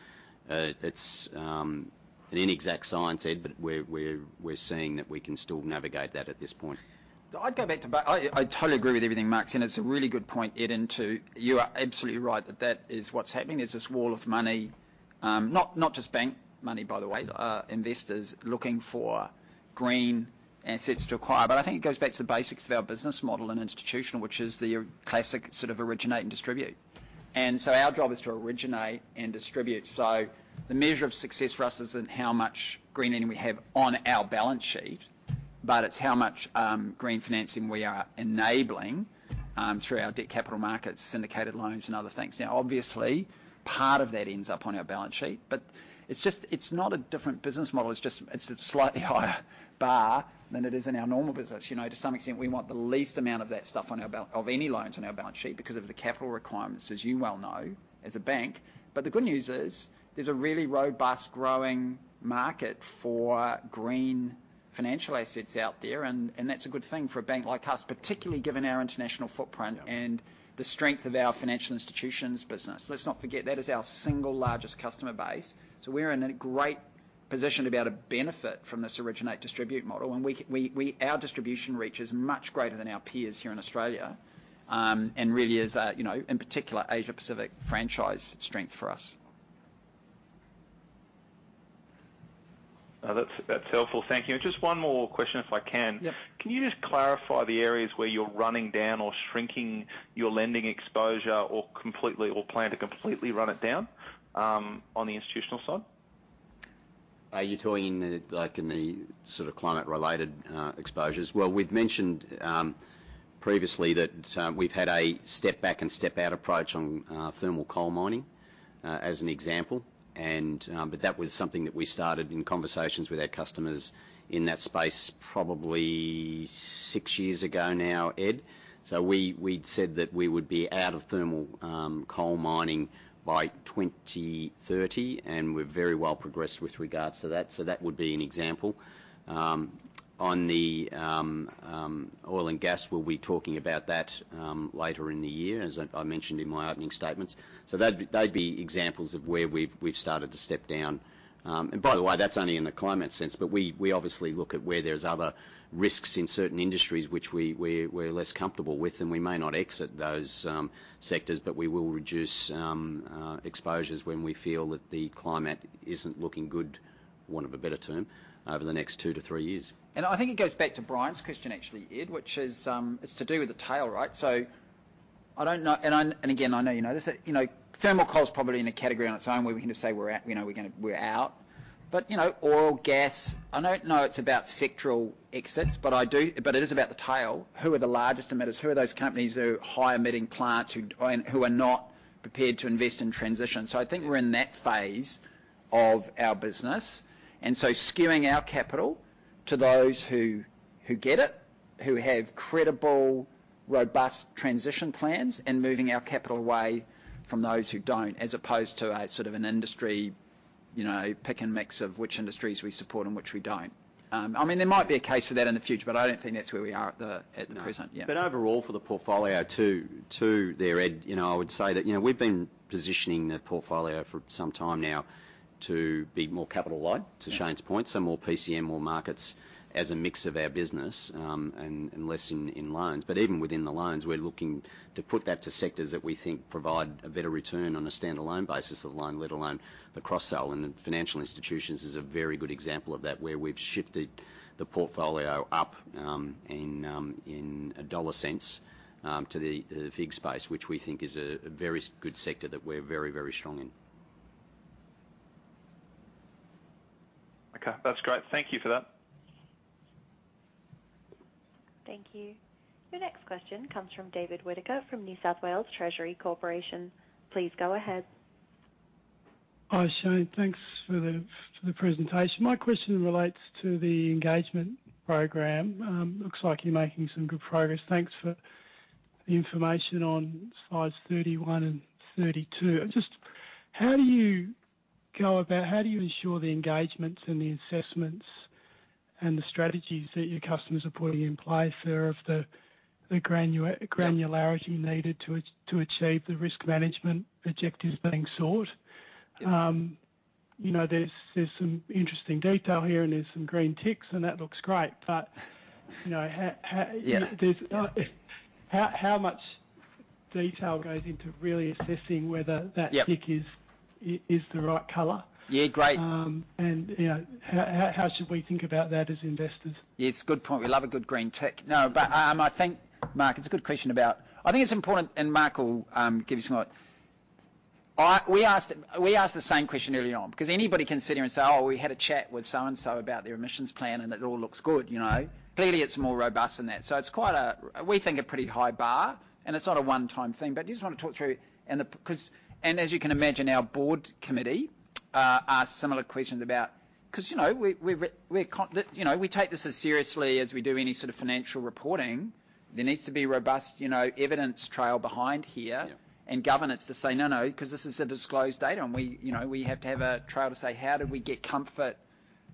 It's an inexact science, Ed, but we're seeing that we can still navigate that at this point. I totally agree with everything Mark said. It's a really good point, Ed. You are absolutely right that that is what's happening. There's this wall of money, not just bank money, by the way, investors looking for green assets to acquire. I think it goes back to the basics of our business model and Institutional, which is the classic sort of originate and distribute. Our job is to originate and distribute. The measure of success for us isn't how much green energy we have on our balance sheet, but it's how much green financing we are enabling through our Debt Capital Markets, syndicated loans and other things. Now, obviously, part of that ends up on our balance sheet. It's just, it's not a different business model, it's just, it's a slightly higher bar than it is in our normal business. You know, to some extent, we want the least amount of that stuff of any loans on our balance sheet because of the capital requirements, as you well know, as a bank. The good news is, there's a really robust growing market for green financial assets out there, and that's a good thing for a bank like us, particularly given our international footprint. Yeah the strength of our financial institutions business. Let's not forget, that is our single largest customer base. We're in a great position to be able to benefit from this originate distribute model. Our distribution reach is much greater than our peers here in Australia, and really is a, you know, in particular Asia-Pacific franchise strength for us. That's helpful. Thank you. Just one more question if I can. Yep. Can you just clarify the areas where you're running down or shrinking your lending exposure or completely, or plan to completely run it down, on the institutional side? Are you talking, like, in the sort of climate-related exposures? Well, we've mentioned previously that we've had a step back and step out approach on thermal coal mining as an example. But that was something that we started in conversations with our customers in that space probably six years ago now, Ed. We'd said that we would be out of thermal coal mining by 2030, and we're very well progressed with regards to that. That would be an example. On the oil and gas, we'll be talking about that later in the year, as I mentioned in my opening statements. They'd be examples of where we've started to step down. By the way, that's only in a climate sense, but we obviously look at where there's other risks in certain industries which we're less comfortable with, and we may not exit those sectors, but we will reduce exposures when we feel that the climate isn't looking good, want of a better term, over the next 2-3 years. I think it goes back to Brian's question, actually, Ed, which is to do with the tail, right. I don't know, and again, I know you know this. You know, thermal coal is probably in a category on its own where we can just say we're out. You know, oil, gas, I don't know it's about sectoral exits, but it is about the tail. Who are the largest emitters? Who are those companies who are high emitting plants who are not prepared to invest in transition? I think we're in that phase of our business, and so skewing our capital to those who get it, who have credible, robust transition plans, and moving our capital away from those who don't, as opposed to a sort of an industry, you know, pick and mix of which industries we support and which we don't. I mean, there might be a case for that in the future, but I don't think that's where we are at the present. Yeah. Overall for the portfolio too there, Ed, you know, I would say that, you know, we've been positioning the portfolio for some time now to be more capital light, to Shayne's point. More DCM, more markets as a mix of our business, and less in loans. Even within the loans, we're looking to put that to sectors that we think provide a better return on a standalone basis of the loan, let alone the cross-sell. Financial institutions is a very good example of that, where we've shifted the portfolio up in a dollar sense to the FIG space, which we think is a very good sector that we're very strong in. Okay. That's great. Thank you for that. Thank you. Your next question comes from David Whittaker from New South Wales Treasury Corporation. Please go ahead. Hi, Shayne. Thanks for the presentation. My question relates to the engagement program. Looks like you're making some good progress. Thanks for the information on slides 31 and 32. How do you ensure the engagements and the assessments and the strategies that your customers are putting in place are of the granularity needed to achieve the risk management objectives being sought? You know, there's some interesting detail here, and there's some green ticks, and that looks great. But, you know, how Yeah. How much detail goes into really assessing whether that? Yeah. Is the right color? Yeah, great. You know, how should we think about that as investors? Yeah, it's a good point. We love a good green tick. No, but, I think, Mark, it's a good question about. I think it's important, and Mark will, give you some more. We asked the same question early on, because anybody can sit here and say, "Oh, we had a chat with so and so about their emissions plan, and it all looks good," you know? Clearly, it's more robust than that. It's quite a, we think, a pretty high bar, and it's not a one-time thing. Do you just wanna talk through. 'Cause, as you can imagine, our board committee asked similar questions about. 'Cause, you know, we take this as seriously as we do any sort of financial reporting. There needs to be robust, you know, evidence trail behind here. Yeah. governance to say, "No, no," 'cause this is disclosed data, and we, you know, we have to have a trail to say, how do we get comfort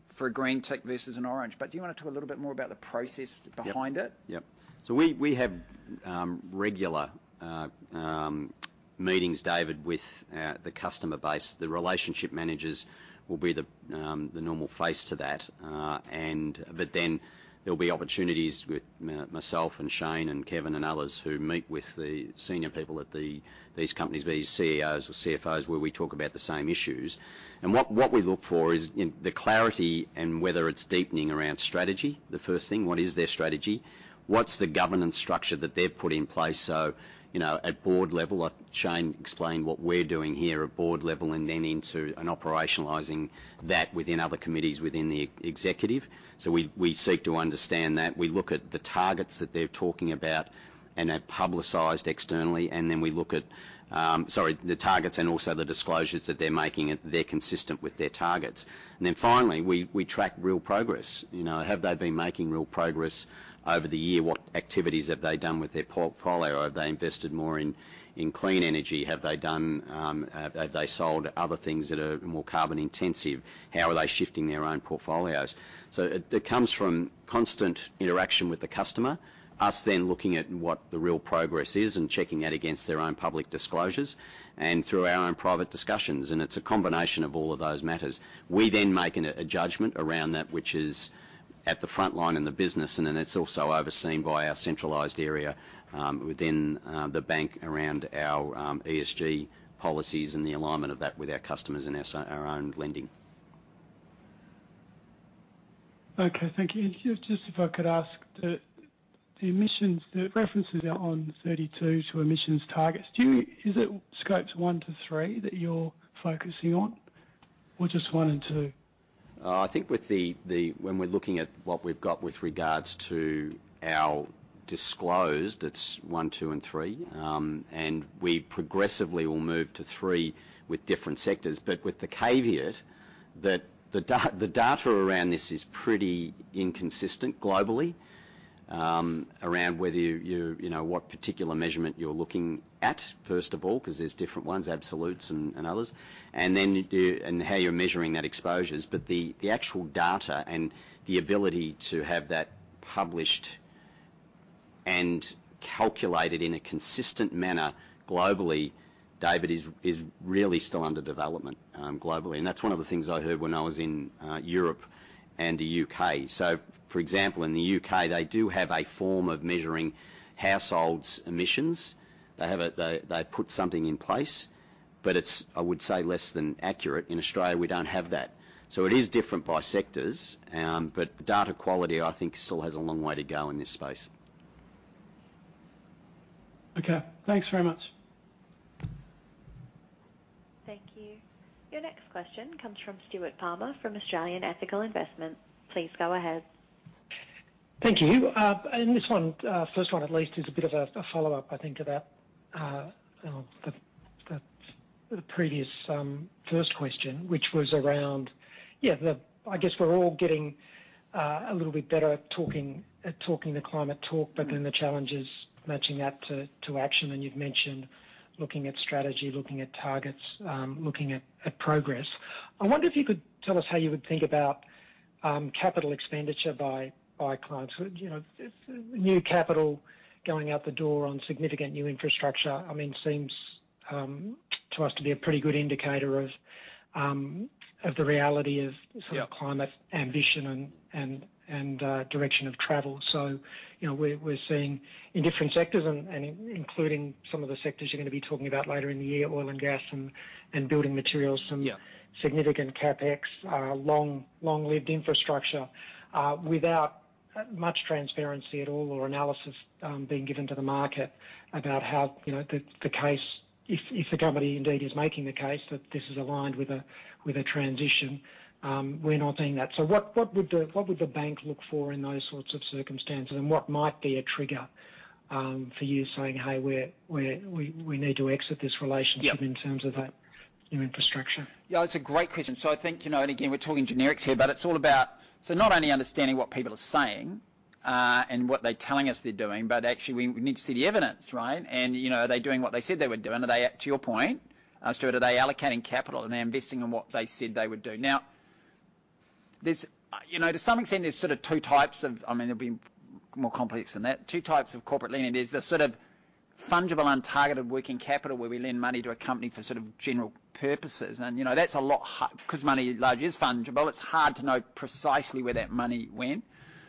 for a green tick versus an orange. But do you wanna talk a little bit more about the process behind it? Yep. Yep. So we have regular meetings, David, with the customer base. The relationship managers will be the normal face to that. Then there'll be opportunities with myself and Shayne and Kevin and others who meet with the senior people at these companies, be it CEOs or CFOs, where we talk about the same issues. What we look for is in the clarity and whether it's deepening around strategy, the first thing. What is their strategy? What's the governance structure that they've put in place so, you know, at board level? Shayne explained what we're doing here at board level and then operationalizing that within other committees within the executive. We seek to understand that. We look at the targets that they're talking about and are publicized externally, and then we look at. Sorry, the targets and also the disclosures that they're making, if they're consistent with their targets. Finally, we track real progress. You know, have they been making real progress over the year? What activities have they done with their portfolio? Have they invested more in clean energy? Have they sold other things that are more carbon intensive? How are they shifting their own portfolios? It comes from constant interaction with the customer, us then looking at what the real progress is and checking that against their own public disclosures, and through our own private discussions, and it's a combination of all of those matters. We make a judgment around that, which is at the front line in the business, and then it's also overseen by our centralized area within the bank around our ESG policies and the alignment of that with our customers and our own lending. Okay. Thank you. Just if I could ask, the emissions, the references are on 32 to emissions targets. Is it Scopes 1-3 that you're focusing on or just one and two? I think when we're looking at what we've got with regards to our disclosed, it's one, two, and three. We progressively will move to three with different sectors. With the caveat that the data around this is pretty inconsistent globally, around whether you're you know what particular measurement you're looking at, first of all, 'cause there's different ones, absolutes and others. Then you and how you're measuring that exposure. The actual data and the ability to have that published and calculated in a consistent manner globally, David, is really still under development globally. That's one of the things I heard when I was in Europe and the UK. For example, in the UK, they do have a form of measuring households' emissions. They have a They put something in place. It's, I would say, less than accurate. In Australia, we don't have that. It is different by sectors, but the data quality, I think, still has a long way to go in this space. Okay, thanks very much. Thank you. Your next question comes from Stuart Palmer from Australian Ethical Investment. Please go ahead. Thank you. This one, first one at least, is a bit of a follow-up, I think, to that, the previous first question, which was around. I guess we're all getting a little bit better at talking the climate talk. Mm-hmm. The challenge is matching that to action. You've mentioned looking at strategy, looking at targets, looking at progress. I wonder if you could tell us how you would think about capital expenditure by clients. You know, new capital going out the door on significant new infrastructure, I mean, seems to us to be a pretty good indicator of the reality of- Yeah. sort of climate ambition and direction of travel. You know, we're seeing in different sectors and including some of the sectors you're gonna be talking about later in the year, oil and gas and building materials. Yeah. Some significant CapEx, long-lived infrastructure, without much transparency at all or analysis being given to the market about how, you know, the case. If the company indeed is making the case that this is aligned with a transition, we're not seeing that. What would the bank look for in those sorts of circumstances? And what might be a trigger for you saying, "Hey, we need to exit this relationship? Yeah. In terms of that new infrastructure? Yeah, it's a great question. I think, you know, and again, we're talking generics here, but it's all about, so not only understanding what people are saying, and what they're telling us they're doing, but actually we need to see the evidence, right? You know, are they doing what they said they were doing? Are they, to your point, Stuart, are they allocating capital? Are they investing in what they said they would do? Now, there's, you know, to some extent, there's sort of two types of. I mean, it'll be more complex than that. Two types of corporate lending. There's the sort of fungible, untargeted working capital, where we lend money to a company for sort of general purposes. You know, that's a lot 'cause money largely is fungible, it's hard to know precisely where that money went.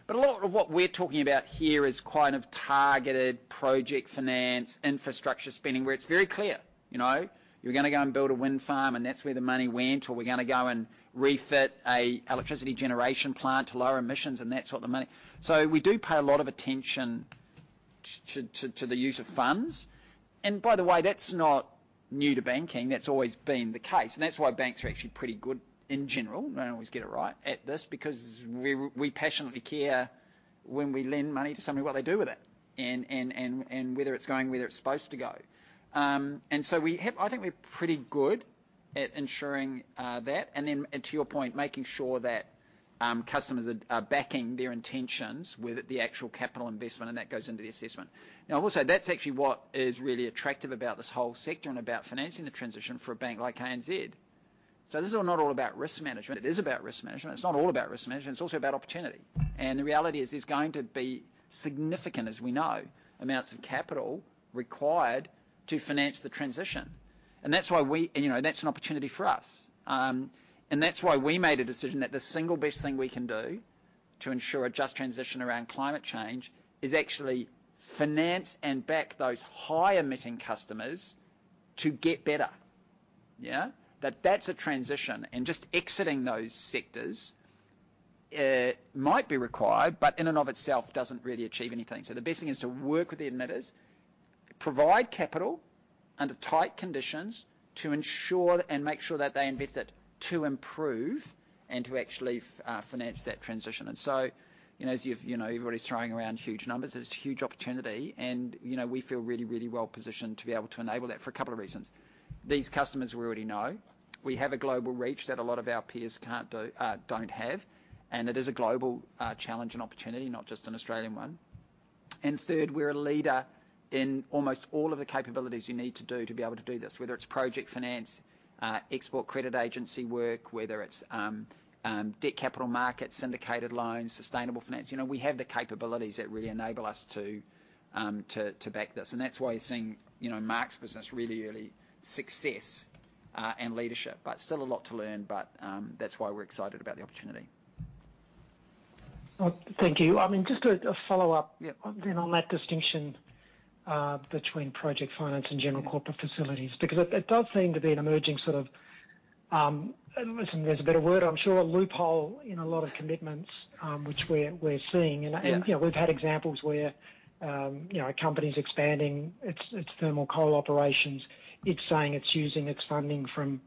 A lot of what we're talking about here is kind of targeted project finance, infrastructure spending, where it's very clear, you know, you're gonna go and build a wind farm, and that's where the money went. Or we're gonna go and refit an electricity generation plant to lower emissions, and that's what the money went. We do pay a lot of attention to the use of funds. By the way, that's not new to banking. That's always been the case. That's why banks are actually pretty good in general. We don't always get it right at this because we passionately care when we lend money to somebody, what they do with it and whether it's going where it's supposed to go. I think we're pretty good at ensuring that. To your point, making sure that customers are backing their intentions with the actual capital investment, and that goes into the assessment. Now, I will say that's actually what is really attractive about this whole sector and about financing the transition for a bank like ANZ. This is not all about risk management. It is about risk management. It's not all about risk management. It's also about opportunity. The reality is there's going to be significant, as we know, amounts of capital required to finance the transition. That's why we, you know, that's an opportunity for us. That's why we made a decision that the single best thing we can do to ensure a just transition around climate change is actually finance and back those high-emitting customers to get better. Yeah? That's a transition, and just exiting those sectors might be required, but in and of itself doesn't really achieve anything. The best thing is to work with the emitters, provide capital under tight conditions to ensure and make sure that they invest it to improve and to actually finance that transition. You know, as you've, you know, everybody's throwing around huge numbers. There's huge opportunity and, you know, we feel really, really well positioned to be able to enable that for a couple of reasons. These customers we already know. We have a global reach that a lot of our peers don't have, and it is a global challenge and opportunity, not just an Australian one. Third, we're a leader in almost all of the capabilities you need to do to be able to do this, whether it's project finance, export credit agency work, whether it's Debt Capital Markets, syndicated loans, sustainable finance. You know, we have the capabilities that really enable us to back this. That's why you're seeing, you know, Mark's business really early success and leadership. But still a lot to learn, but that's why we're excited about the opportunity. Well, thank you. I mean, just a follow-up. Yeah. On that distinction between project finance and general corporate facilities. Because it does seem to be an emerging sort of, unless there's a better word, I'm sure, a loophole in a lot of commitments, which we're seeing. Yeah. You know, we've had examples where, you know, a company's expanding its thermal coal operations. It's saying it's using its funding from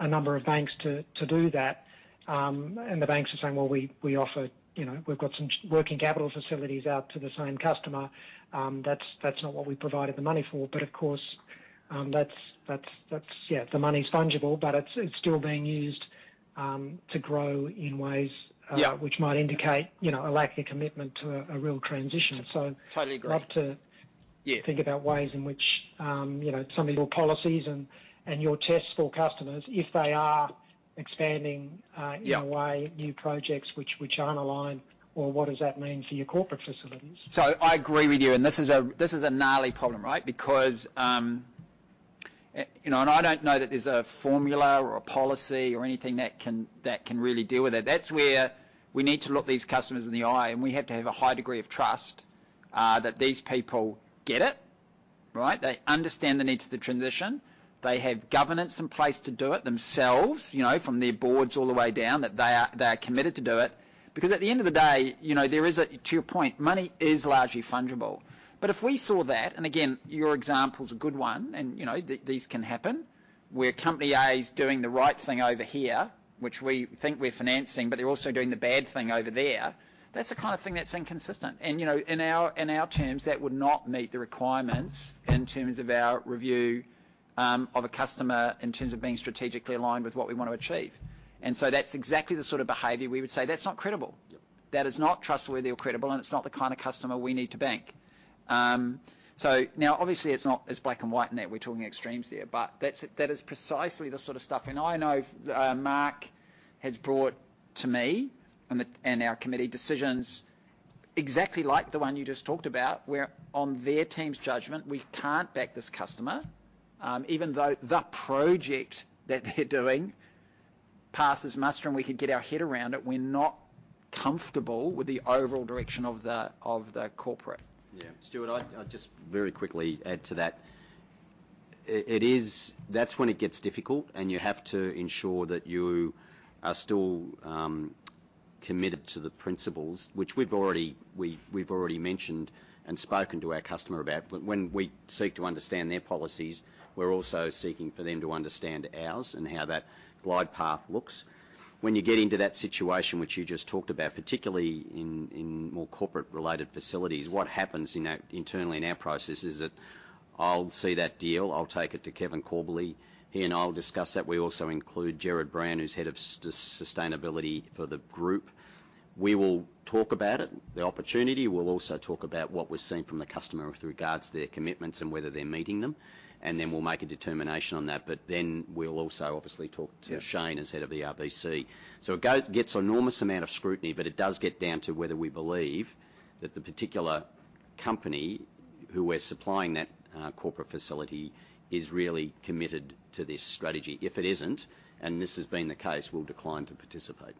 a number of banks to do that. The banks are saying, "Well, we offer, you know, we've got some working capital facilities out to the same customer. That's not what we provided the money for." Of course, that's yeah, the money's fungible, but it's still being used to grow in ways. Yeah. which might indicate, you know, a lack of commitment to a real transition, so Totally agree. I'd love to. Yeah. Think about ways in which, you know, some of your policies and your tests for customers, if they are expanding, in- Yeah. In a way, new projects which aren't aligned or what does that mean for your corporate facilities? I agree with you, and this is a gnarly problem, right? Because, you know, and I don't know that there's a formula or a policy or anything that can really deal with it. That's where we need to look these customers in the eye, and we have to have a high degree of trust, that these people get it, right? They understand the needs of the transition. They have governance in place to do it themselves, you know, from their boards all the way down, that they are committed to do it. Because at the end of the day, you know, to your point, money is largely fungible. If we saw that, and again, your example's a good one, and, you know, these can happen, where company A is doing the right thing over here, which we think we're financing, but they're also doing the bad thing over there. That's the kind of thing that's inconsistent. You know, in our terms, that would not meet the requirements in terms of our review of a customer in terms of being strategically aligned with what we want to achieve. That's exactly the sort of behavior we would say, "That's not credible. That is not trustworthy or credible, and it's not the kind of customer we need to bank." Now obviously it's not as black and white in that we're talking extremes there, but that is precisely the sort of stuff. I know Mark has brought to me and our committee decisions exactly like the one you just talked about, where on their team's judgment, we can't back this customer. Even though the project that they're doing passes muster and we could get our head around it, we're not comfortable with the overall direction of the corporate. Yeah. Stuart, I'd just very quickly add to that. It is. That's when it gets difficult and you have to ensure that you are still committed to the principles which we've already mentioned and spoken to our customer about. When we seek to understand their policies, we're also seeking for them to understand ours and how that glide path looks. When you get into that situation, which you just talked about, particularly in more corporate related facilities, what happens, you know, internally in our process is that I'll see that deal, I'll take it to Kevin Corbally, he and I'll discuss that. We also include Gerard Brown, who's head of sustainability for the group. We will talk about it, the opportunity. We'll also talk about what we're seeing from the customer with regards to their commitments and whether they're meeting them. We'll make a determination on that. We'll also obviously talk to- Yeah. Shayne as head of the RBC. It gets an enormous amount of scrutiny, but it does get down to whether we believe that the particular company who we're supplying that corporate facility is really committed to this strategy. If it isn't, and this has been the case, we'll decline to participate.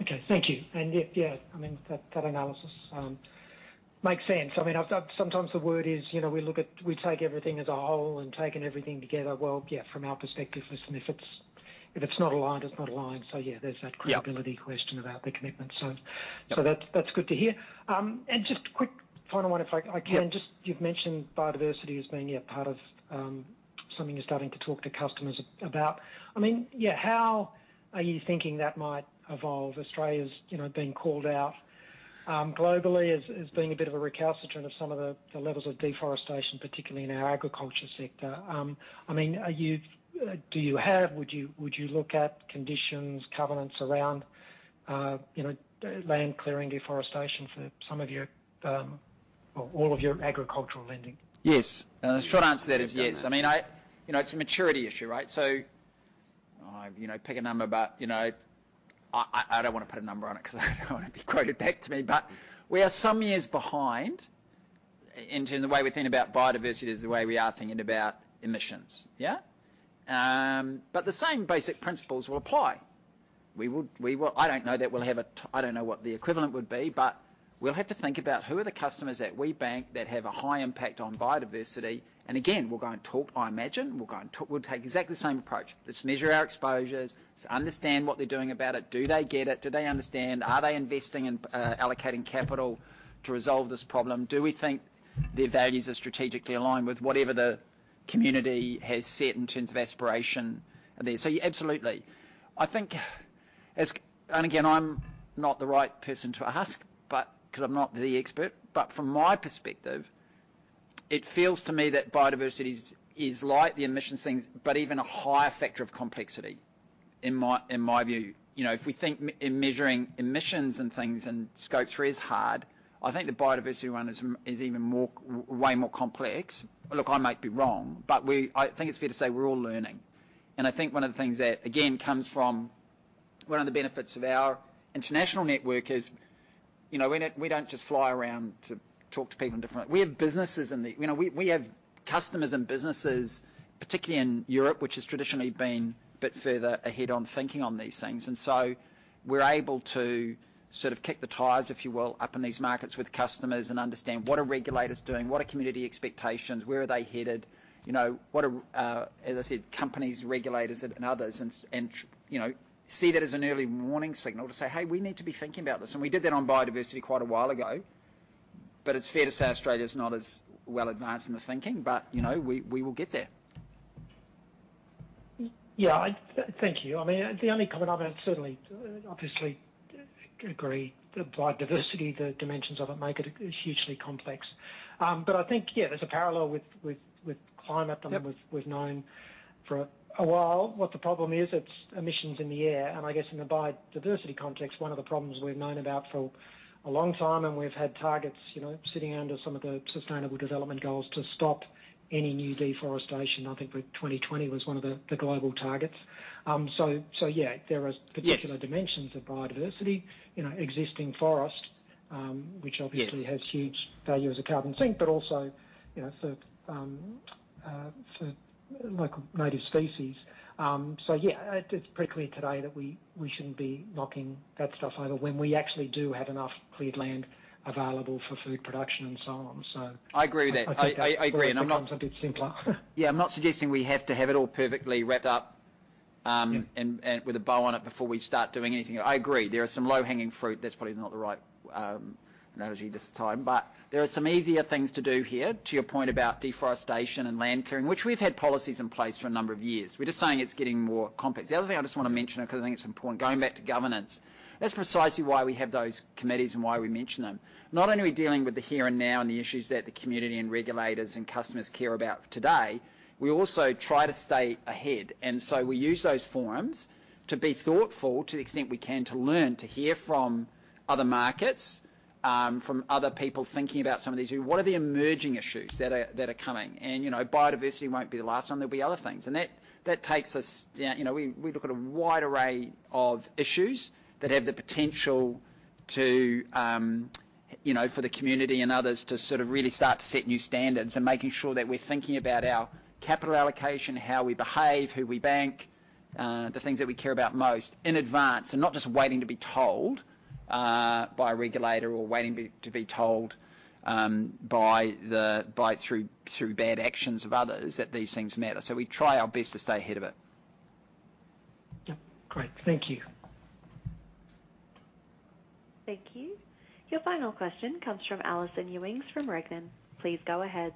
Okay. Thank you. If, yeah, I mean, that analysis makes sense. I mean, Sometimes the word is, you know, we look at, we take everything as a whole and taking everything together, well, yeah, from our perspective, listen, if it's not aligned, it's not aligned. Yeah, there's that. Yeah. Credibility question about the commitment. Yeah. That's good to hear. Just quick final one, if I can. Yeah. Just you've mentioned biodiversity as being, yeah, part of something you're starting to talk to customers about. I mean, yeah, how are you thinking that might evolve? Australia's, you know, been called out globally as being a bit of a recalcitrant of some of the levels of deforestation, particularly in our agriculture sector. I mean, are you do you have, would you look at conditions, covenants around, you know, land clearing, deforestation for some of your or all of your agricultural lending? Yes. The short answer to that is yes. I mean, you know, it's a maturity issue, right? So, you know, pick a number, but, you know, I don't wanna put a number on it 'cause I don't wanna be quoted back to me. We are some years behind in terms the way we think about biodiversity is the way we are thinking about emissions. Yeah? The same basic principles will apply. We will. I don't know what the equivalent would be, but we'll have to think about who are the customers that we bank that have a high impact on biodiversity. Again, we'll go and talk, I imagine, we'll go and talk. We'll take exactly the same approach. Let's measure our exposures. Let's understand what they're doing about it. Do they get it? Do they understand? Are they investing in, allocating capital to resolve this problem? Do we think their values are strategically aligned with whatever the community has set in terms of aspiration there? Yeah, absolutely. I think again, I'm not the right person to ask, but 'cause I'm not the expert, but from my perspective, it feels to me that biodiversity is like the emissions things, but even a higher factor of complexity in my view. You know, if we think measuring emissions and things and Scope 3 is hard, I think the biodiversity one is even more, way more complex. Look, I might be wrong, I think it's fair to say we're all learning. I think one of the things that, again, comes from one of the benefits of our international network is, you know, we don't just fly around to talk to people in different markets. You know, we have customers and businesses, particularly in Europe, which has traditionally been a bit further ahead on thinking on these things. We're able to sort of kick the tires, if you will, up in these markets with customers and understand what are regulators doing, what are community expectations, where are they headed, you know, what are, as I said, companies, regulators and others. You know, see that as an early warning signal to say, "Hey, we need to be thinking about this." We did that on biodiversity quite a while ago, but it's fair to say Australia's not as well advanced in the thinking. You know, we will get there. Thank you. I mean, the only comment I've had, certainly, obviously agree that biodiversity, the dimensions of it make it hugely complex. But I think, yeah, there's a parallel with climate. Yep. We've known for a while what the problem is. It's emissions in the air. I guess in the biodiversity context, one of the problems we've known about for a long time, and we've had targets, you know, sitting under some of the sustainable development goals to stop any new deforestation. I think the 2020 was one of the global targets. So yeah, there are particular- Yes. dimensions of biodiversity. You know, existing forest. Which obviously. Yes has huge value as a carbon sink, but also, you know, for local native species. Yeah, it's pretty clear today that we shouldn't be knocking that stuff over when we actually do have enough cleared land available for food production and so on. I agree with that. I think that- I agree, and I'm not. Sometimes a bit simpler. Yeah. I'm not suggesting we have to have it all perfectly wrapped up. Yeah With a bow on it before we start doing anything. I agree. There are some low-hanging fruit. That's probably not the right analogy this time. There are some easier things to do here, to your point about deforestation and land clearing, which we've had policies in place for a number of years. We're just saying it's getting more complex. The other thing I just wanna mention, because I think it's important, going back to governance. That's precisely why we have those committees and why we mention them. Not only are we dealing with the here and now and the issues that the community and regulators and customers care about today, we also try to stay ahead, and so we use those forums to be thoughtful, to the extent we can, to learn, to hear from other markets, from other people thinking about some of these, what are the emerging issues that are coming. You know, biodiversity won't be the last one. There'll be other things. That takes us down. You know, we look at a wide array of issues that have the potential to, you know, for the community and others to sort of really start to set new standards and making sure that we're thinking about our capital allocation, how we behave, who we bank, the things that we care about most in advance, and not just waiting to be told by a regulator or to be told through bad actions of others that these things matter. We try our best to stay ahead of it. Yep. Great. Thank you. Thank you. Your final question comes from Alison Ewings from Regnan. Please go ahead.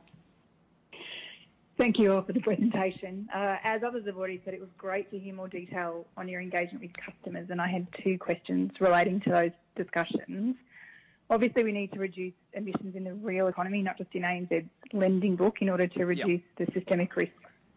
Thank you all for the presentation. As others have already said, it was great to hear more detail on your engagement with customers, and I have two questions relating to those discussions. Obviously, we need to reduce emissions in the real economy, not just in ANZ's lending book, in order to reduce. Yeah the systemic risks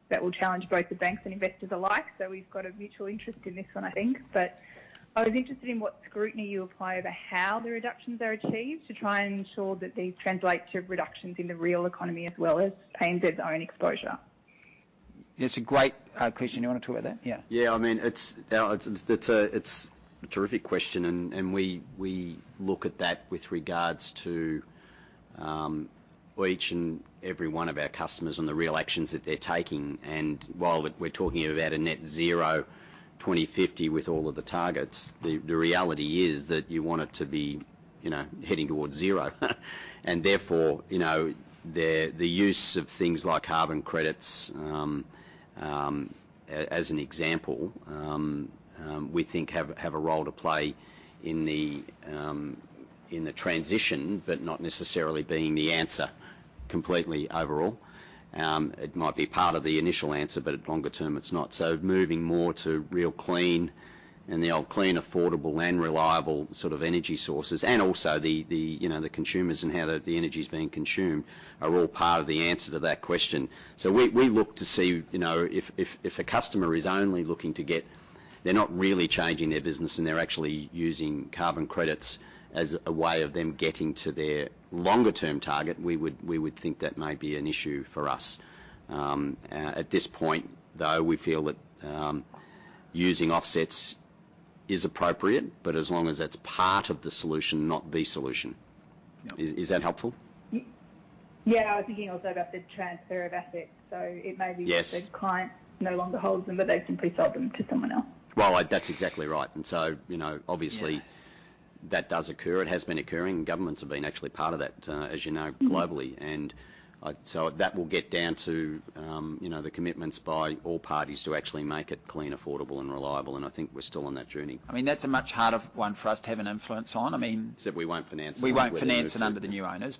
that will challenge both the banks and investors alike, so we've got a mutual interest in this one, I think. I was interested in what scrutiny you apply over how the reductions are achieved to try and ensure that these translate to reductions in the real economy as well as ANZ's own exposure. That's a great question. You wanna talk about that? Yeah. Yeah. I mean, it's a terrific question and we look at that with regards to each and every one of our customers and the real actions that they're taking. While we're talking about a net zero 2050 with all of the targets, the reality is that you want it to be, you know, heading towards zero. Therefore, you know, the use of things like carbon credits as an example, we think have a role to play in the transition, but not necessarily being the answer completely overall. It might be part of the initial answer, but longer term it's not. Moving more to really clean, affordable, and reliable sort of energy sources, and also, you know, the consumers and how the energy's being consumed are all part of the answer to that question. We look to see, you know, if a customer is only looking to get, they're not really changing their business and they're actually using carbon credits as a way of them getting to their longer term target, we would think that may be an issue for us. At this point though, we feel that using offsets is appropriate, but as long as that's part of the solution, not the solution. Yep. Is that helpful? Yeah. I was thinking also about the transfer of assets. It may be. Yes That the client no longer holds them, but they've simply sold them to someone else. Well, that's exactly right. You know, obviously. Yeah that does occur. It has been occurring. Governments have been actually part of that, as you know. Mm-hmm... globally. So that will get down to, you know, the commitments by all parties to actually make it clean, affordable, and reliable, and I think we're still on that journey. I mean, that's a much harder one for us to have an influence on. Except we won't finance it. We won't finance it under the new owners.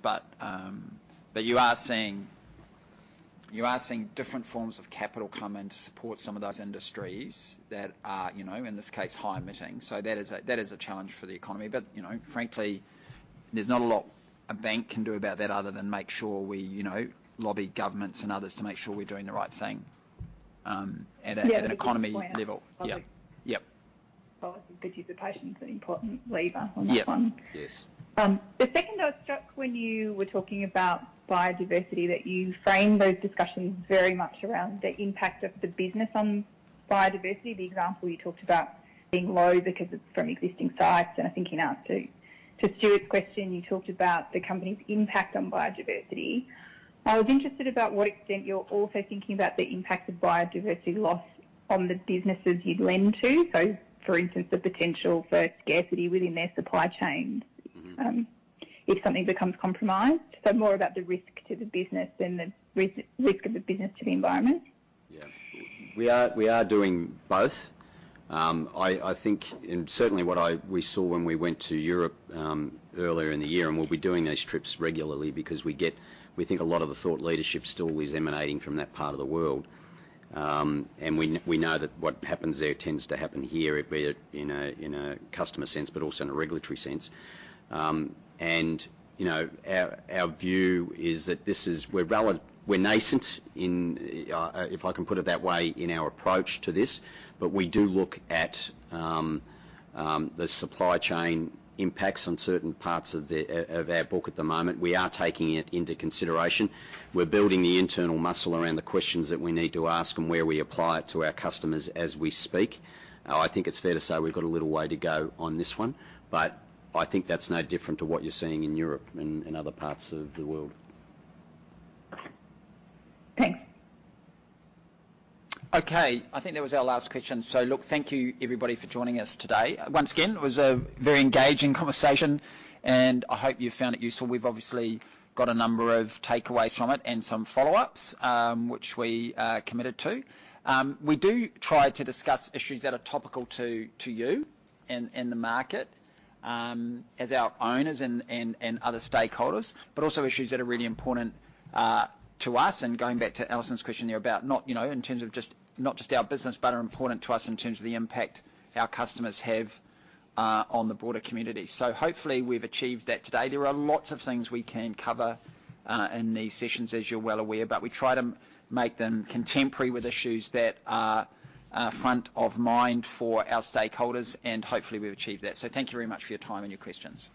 You are seeing different forms of capital come in to support some of those industries that are, you know, in this case, high emitting. That is a challenge for the economy. You know, frankly, there's not a lot a bank can do about that other than make sure we, you know, lobby governments and others to make sure we're doing the right thing. Yeah. That's a good point. at economy level. Lovely. Yep. Yep. Well, I think participation is an important lever on that one. Yep. Yes. The second I was struck when you were talking about biodiversity, that you framed those discussions very much around the impact of the business on biodiversity. The example you talked about being low because it's from existing sites, and I think in answer to Stuart's question, you talked about the company's impact on biodiversity. I was interested about what extent you're also thinking about the impact of biodiversity loss on the businesses you'd lend to. For instance, the potential for scarcity within their supply chain. Mm-hmm If something becomes compromised, more about the risk to the business than the risk of the business to the environment. Yeah. We are doing both. I think, and certainly what we saw when we went to Europe earlier in the year, and we'll be doing these trips regularly because we think a lot of the thought leadership still is emanating from that part of the world. We know that what happens there tends to happen here, be it in a customer sense, but also in a regulatory sense. You know, our view is that we are nascent, if I can put it that way, in our approach to this, but we do look at the supply chain impacts on certain parts of our book at the moment. We are taking it into consideration. We're building the internal muscle around the questions that we need to ask and where we apply it to our customers as we speak. I think it's fair to say we've got a little way to go on this one, but I think that's no different to what you're seeing in Europe and in other parts of the world. Thanks. Okay. I think that was our last question. Look, thank you everybody for joining us today. Once again, it was a very engaging conversation, and I hope you found it useful. We've obviously got a number of takeaways from it and some follow-ups, which we committed to. We do try to discuss issues that are topical to you and the market, as our owners and other stakeholders, but also issues that are really important to us. Going back to Alison's question there about not just our business, but are important to us in terms of the impact our customers have on the broader community. Hopefully we've achieved that today. There are lots of things we can cover in these sessions, as you're well aware, but we try to make them contemporary with issues that are front of mind for our stakeholders, and hopefully we've achieved that. Thank you very much for your time and your questions.